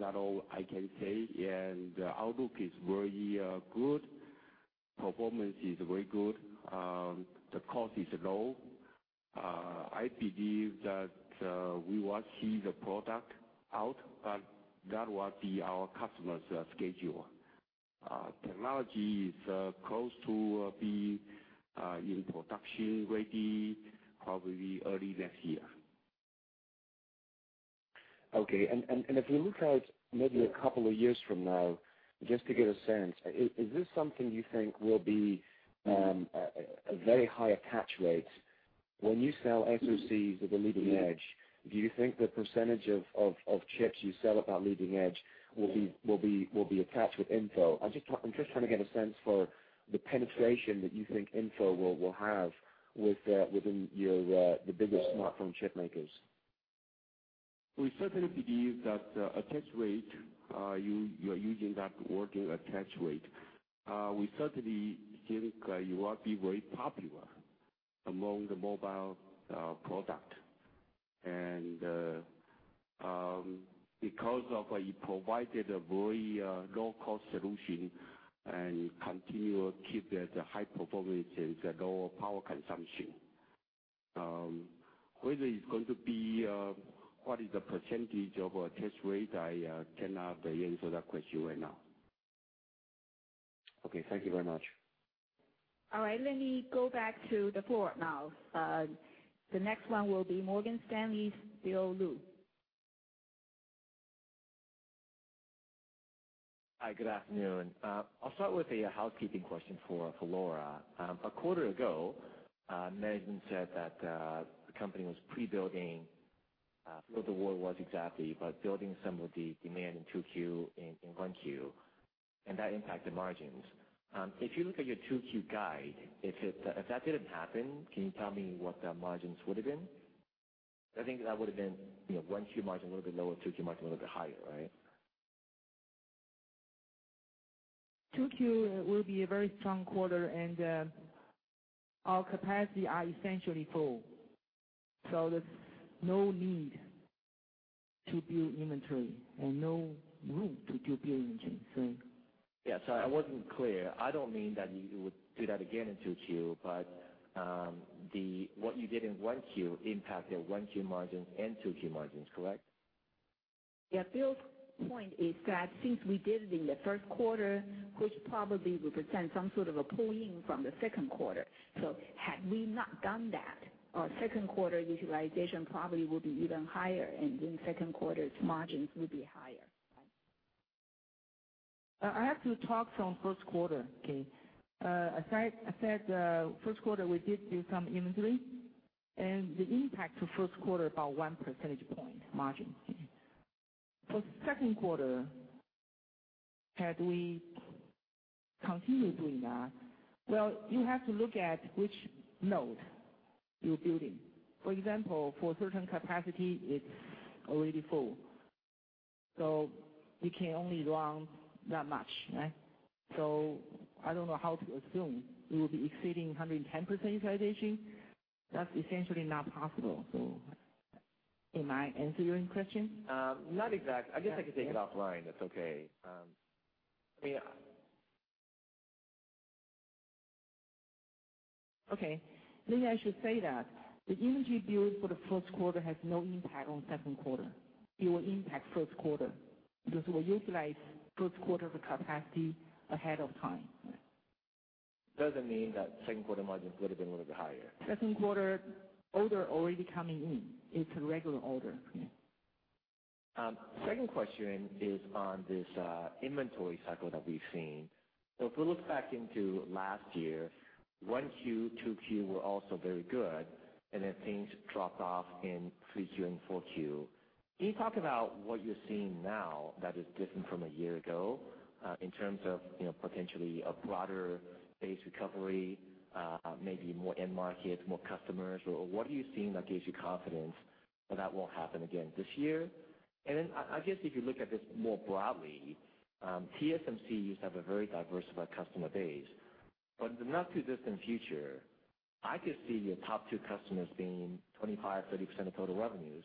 That's all I can say, and the outlook is very good. Performance is very good. The cost is low. I believe that we will see the product out, but that will be our customer's schedule. Technology is close to being in production, ready probably early next year. Okay. If we look out maybe a couple of years from now, just to get a sense, is this something you think will be a very high attach rate? When you sell SoCs at the leading edge, do you think the percentage of chips you sell at that leading edge will be attached with InFO? I'm just trying to get a sense for the penetration that you think InFO will have within the bigger smartphone chip makers. We certainly believe that the attach rate, you are using that working attach rate. We certainly think it will be very popular among the mobile product. Because it provided a very low-cost solution and continue keep the high performance and the lower power consumption. Whether it's going to be. What is the percentage of attach rate, I cannot answer that question right now. Okay. Thank you very much. All right. Let me go back to the floor now. The next one will be Morgan Stanley's Bill Lu. Hi, good afternoon. I'll start with a housekeeping question for Lora. A quarter ago, management said that the company was pre-building, forgot the word was exactly, but building some of the demand in 2Q and in 1Q, and that impacted margins. If you look at your 2Q guide, if that didn't happen, can you tell me what the margins would've been? I think that would've been 1Q margin a little bit lower, 2Q margin a little bit higher, right? 2Q will be a very strong quarter, and our capacity are essentially full. There's no need to build inventory and no room to do building. Yeah. Sorry, I wasn't clear. What you did in 1Q impacted 1Q margins and 2Q margins, correct? Yeah. Bill's point is that since we did it in the first quarter, which probably represents some sort of a pull-in from the second quarter, so had we not done that, our second quarter utilization probably would be even higher, and then second quarter's margins would be higher. Right? I have to talk from first quarter, okay? I said first quarter, we did do some inventory, the impact to first quarter, about one percentage point margin. For second quarter, had we continued doing that, well, you have to look at which node you're building. For example, for certain capacity, it's already full. We can only run that much, right? I don't know how to assume. We will be exceeding 110% utilization. That's essentially not possible. Am I answering your question? Not exactly. I guess I can take it offline. That's okay. Okay. Maybe I should say that the inventory build for the first quarter has no impact on second quarter. It will impact first quarter because we utilize first quarter of the capacity ahead of time. Doesn't mean that second quarter margins could have been a little bit higher. Second quarter order already coming in. It's a regular order. Second question is on this inventory cycle that we've seen. If we look back into last year, 1Q, 2Q were also very good, things dropped off in 3Q and 4Q. Can you talk about what you're seeing now that is different from a year ago, in terms of potentially a broader base recovery, maybe more end market, more customers? What are you seeing that gives you confidence that that won't happen again this year? I guess if you look at this more broadly, TSMC used to have a very diversified customer base. In the not-too-distant future, I could see your top two customers being 25%, 30% of total revenues,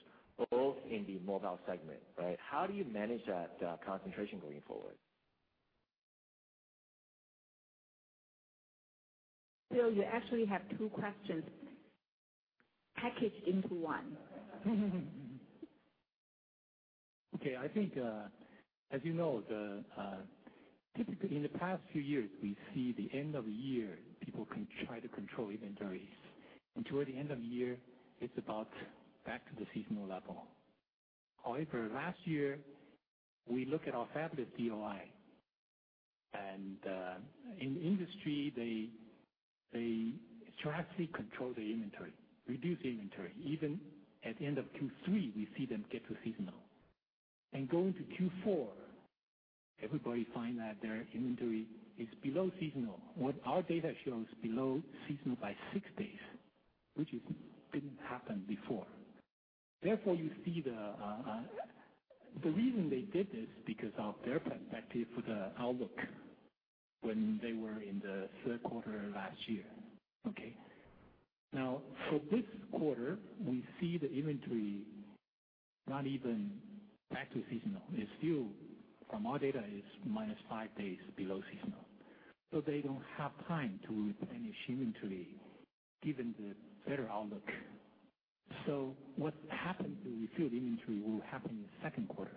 both in the mobile segment, right? How do you manage that concentration going forward? Bill, you actually have two questions packaged into one. Okay. I think, as you know, typically in the past few years, we see the end of the year, people can try to control inventories. Toward the end of the year, it's about back to the seasonal level. However, last year, we look at our fabless DOI, in the industry, they drastically control the inventory, reduce the inventory. Even at the end of Q3, we see them get to seasonal. Going to Q4, everybody find that their inventory is below seasonal. What our data shows below seasonal by six days, which didn't happen before. The reason they did this is because of their perspective for the outlook when they were in the third quarter last year. Okay. For this quarter, we see the inventory not even back to seasonal, from our data, is minus five days below seasonal. They don't have time to replenish inventory given the better outlook. What happened to refill the inventory will happen in the second quarter.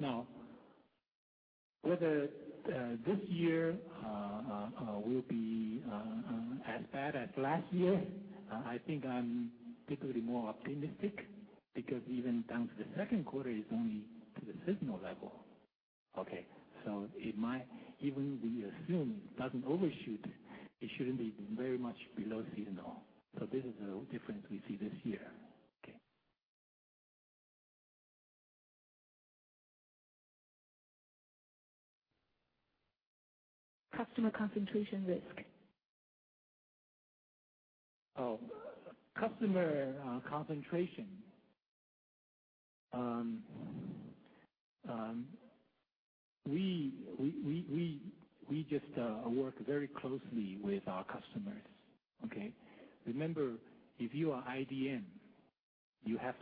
Now, whether this year will be as bad as last year, I think I'm typically more optimistic because even down to the second quarter, it's only to the seasonal level. Okay. Even we assume it doesn't overshoot, it shouldn't be very much below seasonal. This is a difference we see this year. Okay. Customer concentration risk. Customer concentration. We just work very closely with our customers. Okay? Remember, if you are IDM, if you have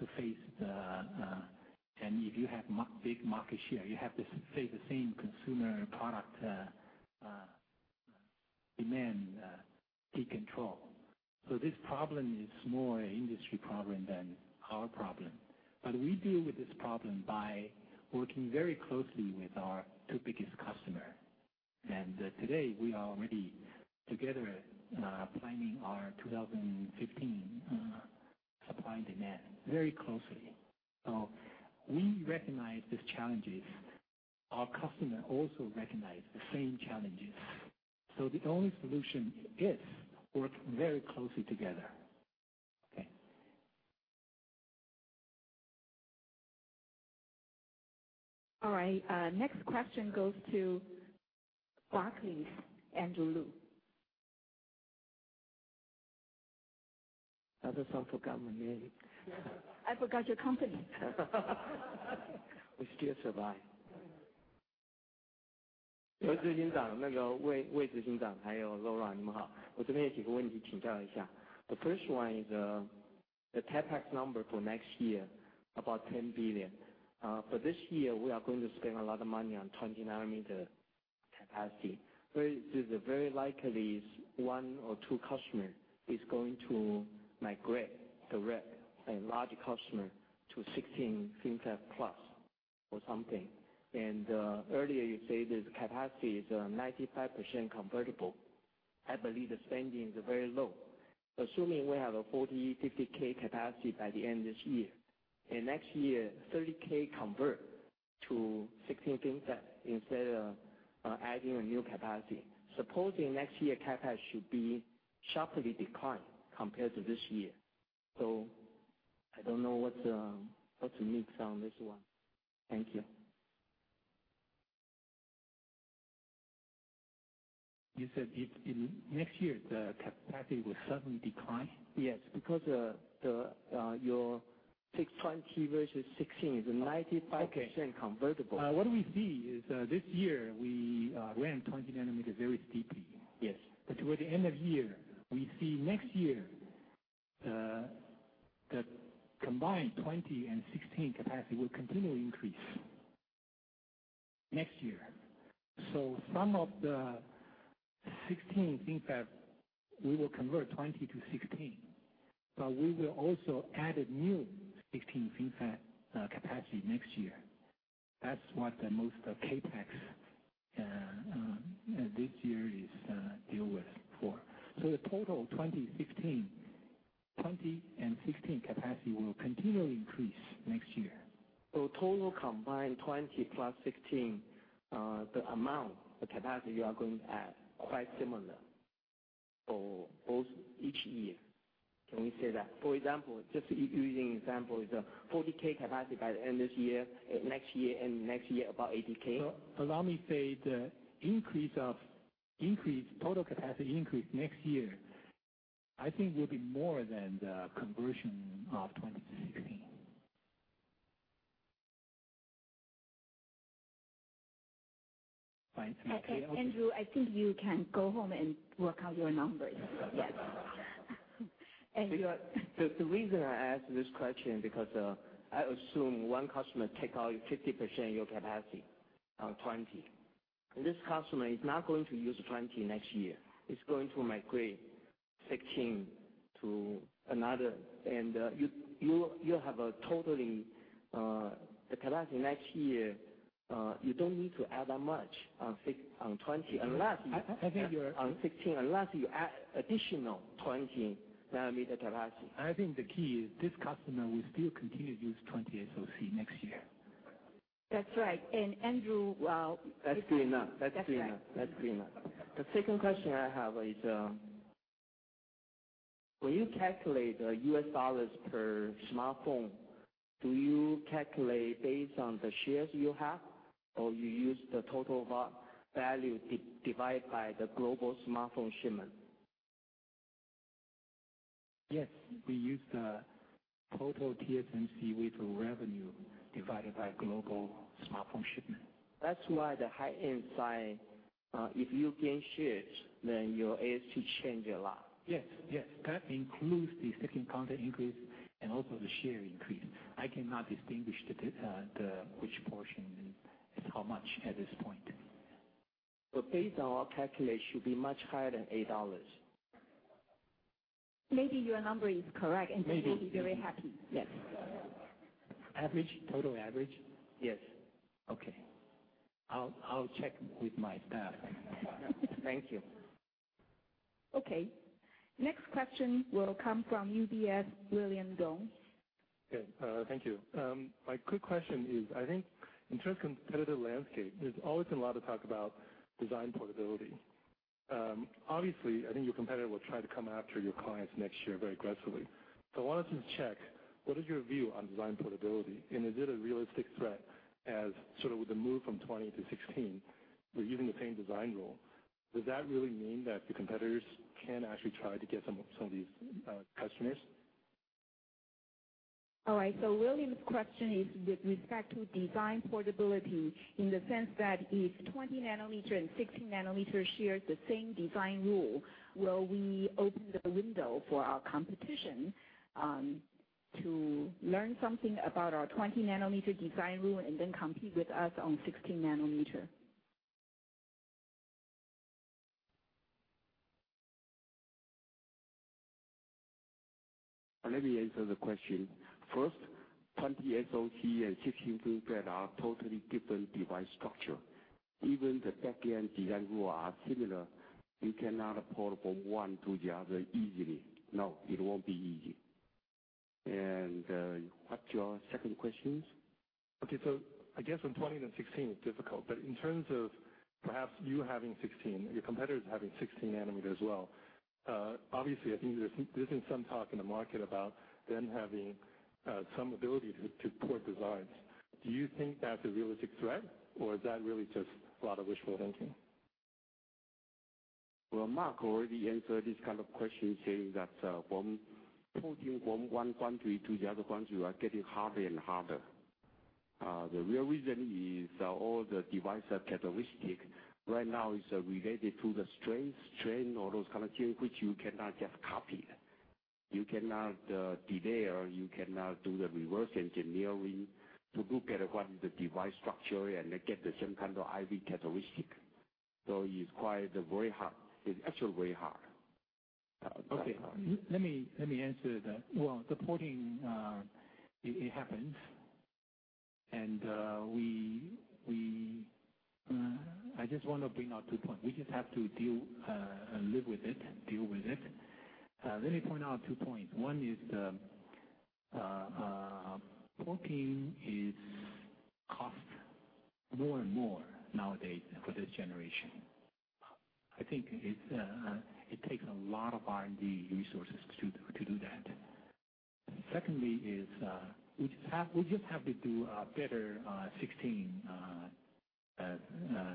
big market share, you have to face the same consumer product demand decontrol. This problem is more an industry problem than our problem. But we deal with this problem by working very closely with our two biggest customer. Today we are already together planning our 2015 supply and demand very closely. We recognize these challenges. Our customer also recognize the same challenges. The only solution is work very closely together. Okay. All right. Next question goes to Barclays, Andrew Lu. How does one forgot my name? I forgot your company. We still survive. The first one is the CapEx number for next year, about 10 billion. For this year, we are going to spend a lot of money on 20-nanometer capacity, where there's a very likely one or two customer is going to migrate direct a large customer to 16 FinFET Plus or something. Earlier you say the capacity is 95% convertible. I believe the spending is very low. Assuming we have a 40,000, 50,000 capacity by the end of this year, and next year, 30,000 convert to 16 FinFET instead of adding a new capacity. Supposing next year, CapEx should be sharply decline compared to this year. I don't know what to mix on this one. Thank you. You said next year, the capacity will suddenly decline? Yes, because your 20 versus 16 is 95%. Okay convertible. What we see is, this year we ran 20-nanometer very deeply. Yes. Toward the end of the year, we see next year, the combined 20 and 16 capacity will continue increase. Next year. Some of the 16 FinFET, we will convert 20-to-16. We will also add new 16 FinFET capacity next year. That's what the most of CapEx this year deals with. The total 2015, 20 and 16 capacity will continually increase next year. total combined 20 plus 16, the amount, the capacity you are going to add, quite similar for each year. Can we say that? For example, just using examples, 40K capacity by the end of this year, next year, and next year, about 80K. No. Allow me say the total capacity increase next year, I think will be more than the conversion of 20-to-16. Fine. Andrew, I think you can go home and work out your numbers. Yes. The reason I ask this question because I assume one customer takes out 50% of your capacity on 20. This customer is not going to use 20 next year. It's going to migrate 16 to another. You have a total capacity next year. You don't need to add that much on 20. I think you're. On 16, unless you add additional 20-nanometer capacity. I think the key is this customer will still continue to use 20 SOC next year. That's right. Andrew, well. That's good enough. That's right. That's good enough. The second question I have is, when you calculate US dollars per smartphone, do you calculate based on the shares you have, or you use the total value divided by the global smartphone shipment? Yes. We use the total TSMC with revenue divided by global smartphone shipment. That's why the high-end side, if you gain shares, then your ASP change a lot. Yes. That includes the second content increase and also the share increase. I cannot distinguish which portion is how much at this point. Based on our calculation, it should be much higher than 8 dollars. Maybe your number is correct and you will be very happy. Yes. Average, total average? Yes. Okay. I'll check with my staff. Thank you. Okay. Next question will come from UBS, William Dong. Okay. Thank you. My quick question is, I think in terms of competitive landscape, there's always been a lot of talk about design portability. Obviously, I think your competitor will try to come after your clients next year very aggressively. I wanted to check, what is your view on design portability? Is it a realistic threat as sort of with the move from 20-to-16, we're using the same design rule. Does that really mean that the competitors can actually try to get some of these customers? William's question is with respect to design portability in the sense that if 20 nanometer and 16 nanometer shares the same design rule, will we open the window for our competition to learn something about our 20 nanometer design rule and then compete with us on 16 nanometer? Let me answer the question. First, 20 SoC and 16 FinFET are totally different device structure. Even the back-end design rule are similar. You cannot port from one to the other easily. No, it won't be easy. What's your second question? I guess from 20-to-16, it's difficult. In terms of perhaps you having 16, your competitors having 16 nanometer as well, obviously, I think there's been some talk in the market about them having some ability to port designs. Do you think that's a realistic threat, or is that really just a lot of wishful thinking? Well, Mark already answered this kind of question, saying that porting from one foundry to the other foundry are getting harder and harder. The real reason is all the device characteristics right now is related to the strains, strain or those kind of things which you cannot just copy. You cannot de-layer, you cannot do the reverse engineering to look at what the device structure is and then get the same kind of IV characteristic. It's actually very hard. Okay. Let me answer that. Well, the porting, it happens. I just want to bring out 2 points. We just have to live with it, deal with it. Let me point out 2 points. One is porting costs more and more nowadays for this generation. I think it takes a lot of R&D resources to do that. Secondly, we just have to do a better 16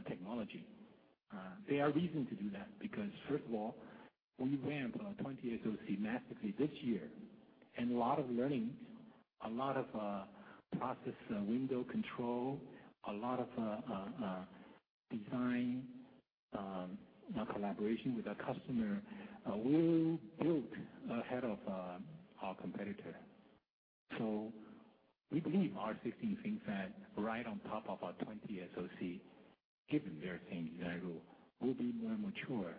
technology. There are reasons to do that because first of all, we ramped our 20 SoC massively this year, a lot of learnings, a lot of process window control, a lot of design collaboration with our customer, we built ahead of our competitor We believe our 16 FinFET, right on top of our 20 SoC, given their same design rule, will be more mature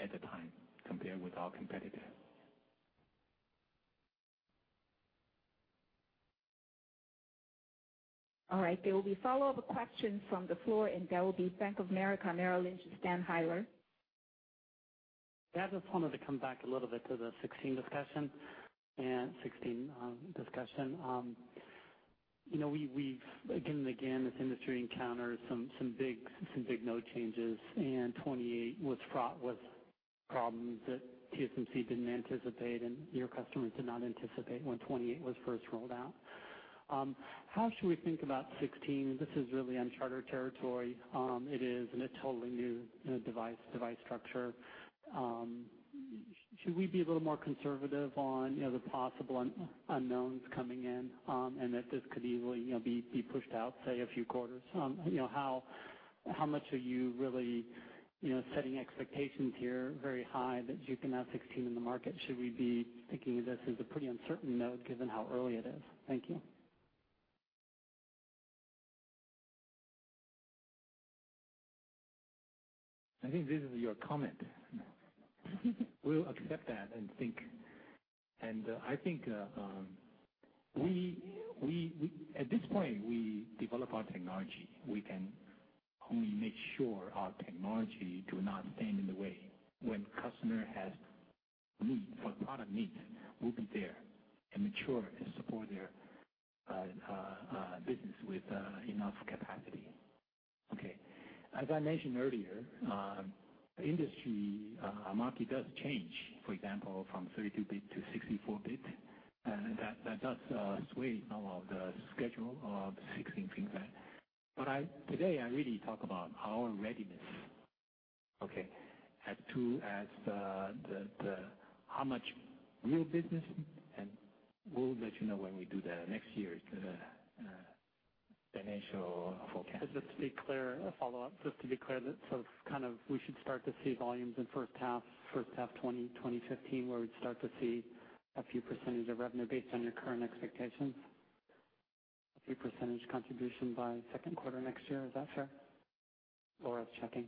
at the time compared with our competitor. All right. There will be follow-up questions from the floor, that will be Bank of America Merrill Lynch's Dan Heyler. Just wanted to come back a little bit to the 16 discussion. Again and again, this industry encounters some big node changes, 28 was fraught with problems that TSMC didn't anticipate, your customers did not anticipate when 28 was first rolled out. How should we think about 16? This is really uncharted territory. It is in a totally new device structure. Should we be a little more conservative on the possible unknowns coming in, that this could easily be pushed out, say, a few quarters? How much are you really setting expectations here very high that you can have 16 in the market? Should we be thinking of this as a pretty uncertain node, given how early it is? Thank you. I think this is your comment. We'll accept that. I think, at this point, we develop our technology. We can only make sure our technology do not stand in the way. When customer has need for product meet, we'll be there and mature and support their business with enough capacity. Okay. As I mentioned earlier, industry market does change. For example, from 32-bit to 64-bit, that does sway some of the schedule of 16 FinFET. Today, I really talk about our readiness, okay, as to how much real business, and we'll let you know when we do the next year's financial forecast. Just to be clear, a follow-up. Just to be clear, we should start to see volumes in first half 2015, where we'd start to see a few percentage of revenue based on your current expectations? A few percentage contribution by second quarter next year, is that fair? Lora's checking.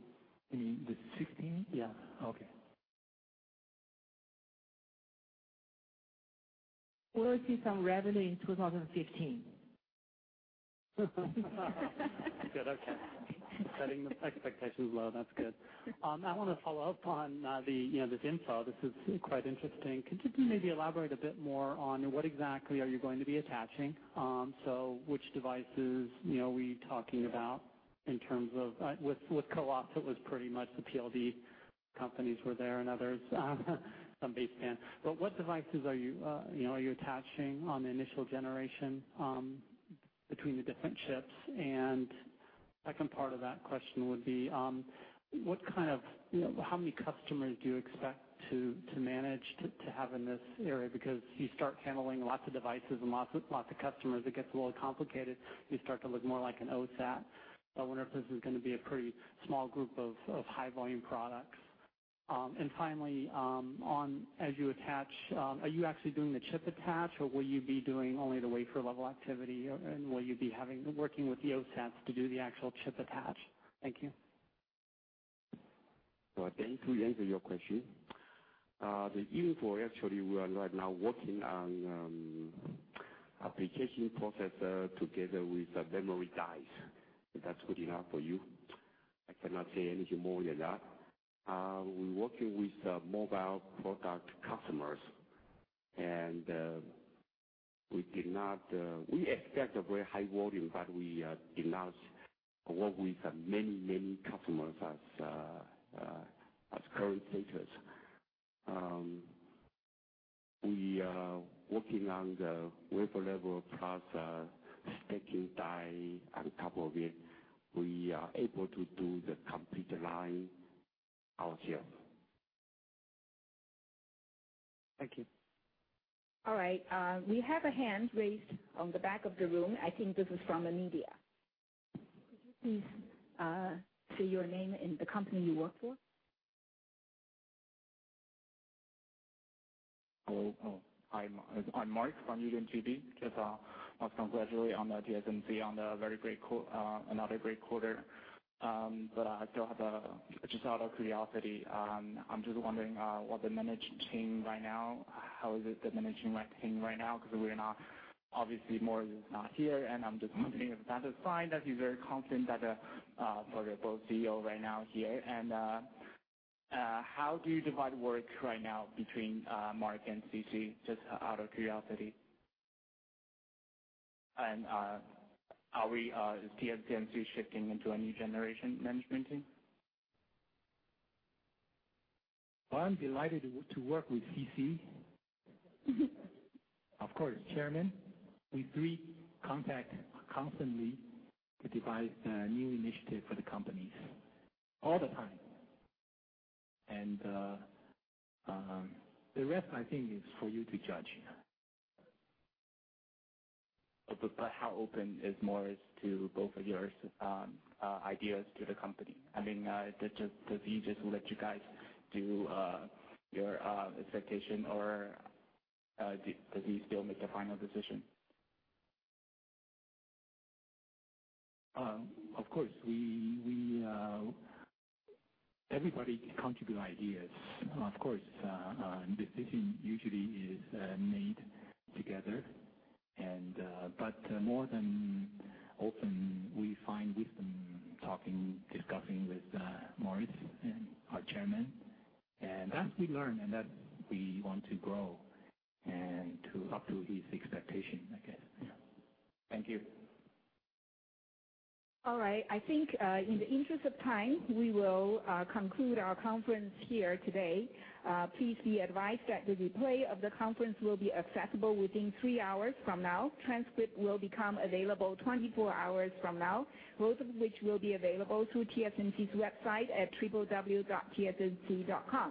You mean the 16? Yeah. Okay. We will see some revenue in 2015. Good. Okay. Setting the expectations low. That's good. I want to follow up on this InFO. This is quite interesting. Could you maybe elaborate a bit more on what exactly are you going to be attaching? Which devices were you talking about in terms of-- With CoWoS, it was pretty much the FPGA companies were there and others, some baseband. But what devices are you attaching on the initial generation between the different chips? Second part of that question would be, how many customers do you expect to manage to have in this area? Because you start handling lots of devices and lots of customers, it gets a little complicated. You start to look more like an OSAT. I wonder if this is going to be a pretty small group of high-volume products. Finally, as you attach, are you actually doing the chip attach, or will you be doing only the wafer level activity, and will you be working with the OSATs to do the actual chip attach? Thank you. I think to answer your question, the InFO, actually, we are right now working on application processor together with the memory dies. If that's good enough for you. I cannot say anything more than that. We're working with mobile product customers, and we expect a very high volume, but we announce work with many customers as current takers. We are working on the wafer level, plus stacking die on top of it. We are able to do the complete line ourselves. Thank you. All right. We have a hand raised on the back of the room. I think this is from the media. Could you please say your name and the company you work for? Hello. I'm Mark from UDN TV. Just want to congratulate TSMC on another great quarter. Just out of curiosity, I'm just wondering how is the management team right now? Because obviously Morris Chang is not here, and I'm just wondering if that is a sign that he's very confident that both CEO right now here. How do you divide work right now between Mark Liu and C.C. Wei? Just out of curiosity. Is TSMC shifting into a new generation management team? Well, I'm delighted to work with C.C. Wei. Of course, Chairman. We three contact constantly to devise new initiative for the companies all the time. The rest, I think, is for you to judge. How open is Morris Chang to both of your ideas to the company? I mean, does he just let you guys do your expectation, or does he still make the final decision? Of course. Everybody contribute ideas, of course. Decision usually is made together. More than often, we find wisdom talking, discussing with Morris and our Chairman, and that we learn, and that we want to grow and to up to his expectation, I guess. Yeah. Thank you. All right. I think, in the interest of time, we will conclude our conference here today. Please be advised that the replay of the conference will be accessible within three hours from now. Transcript will become available 24 hours from now, both of which will be available through TSMC's website at www.tsmc.com.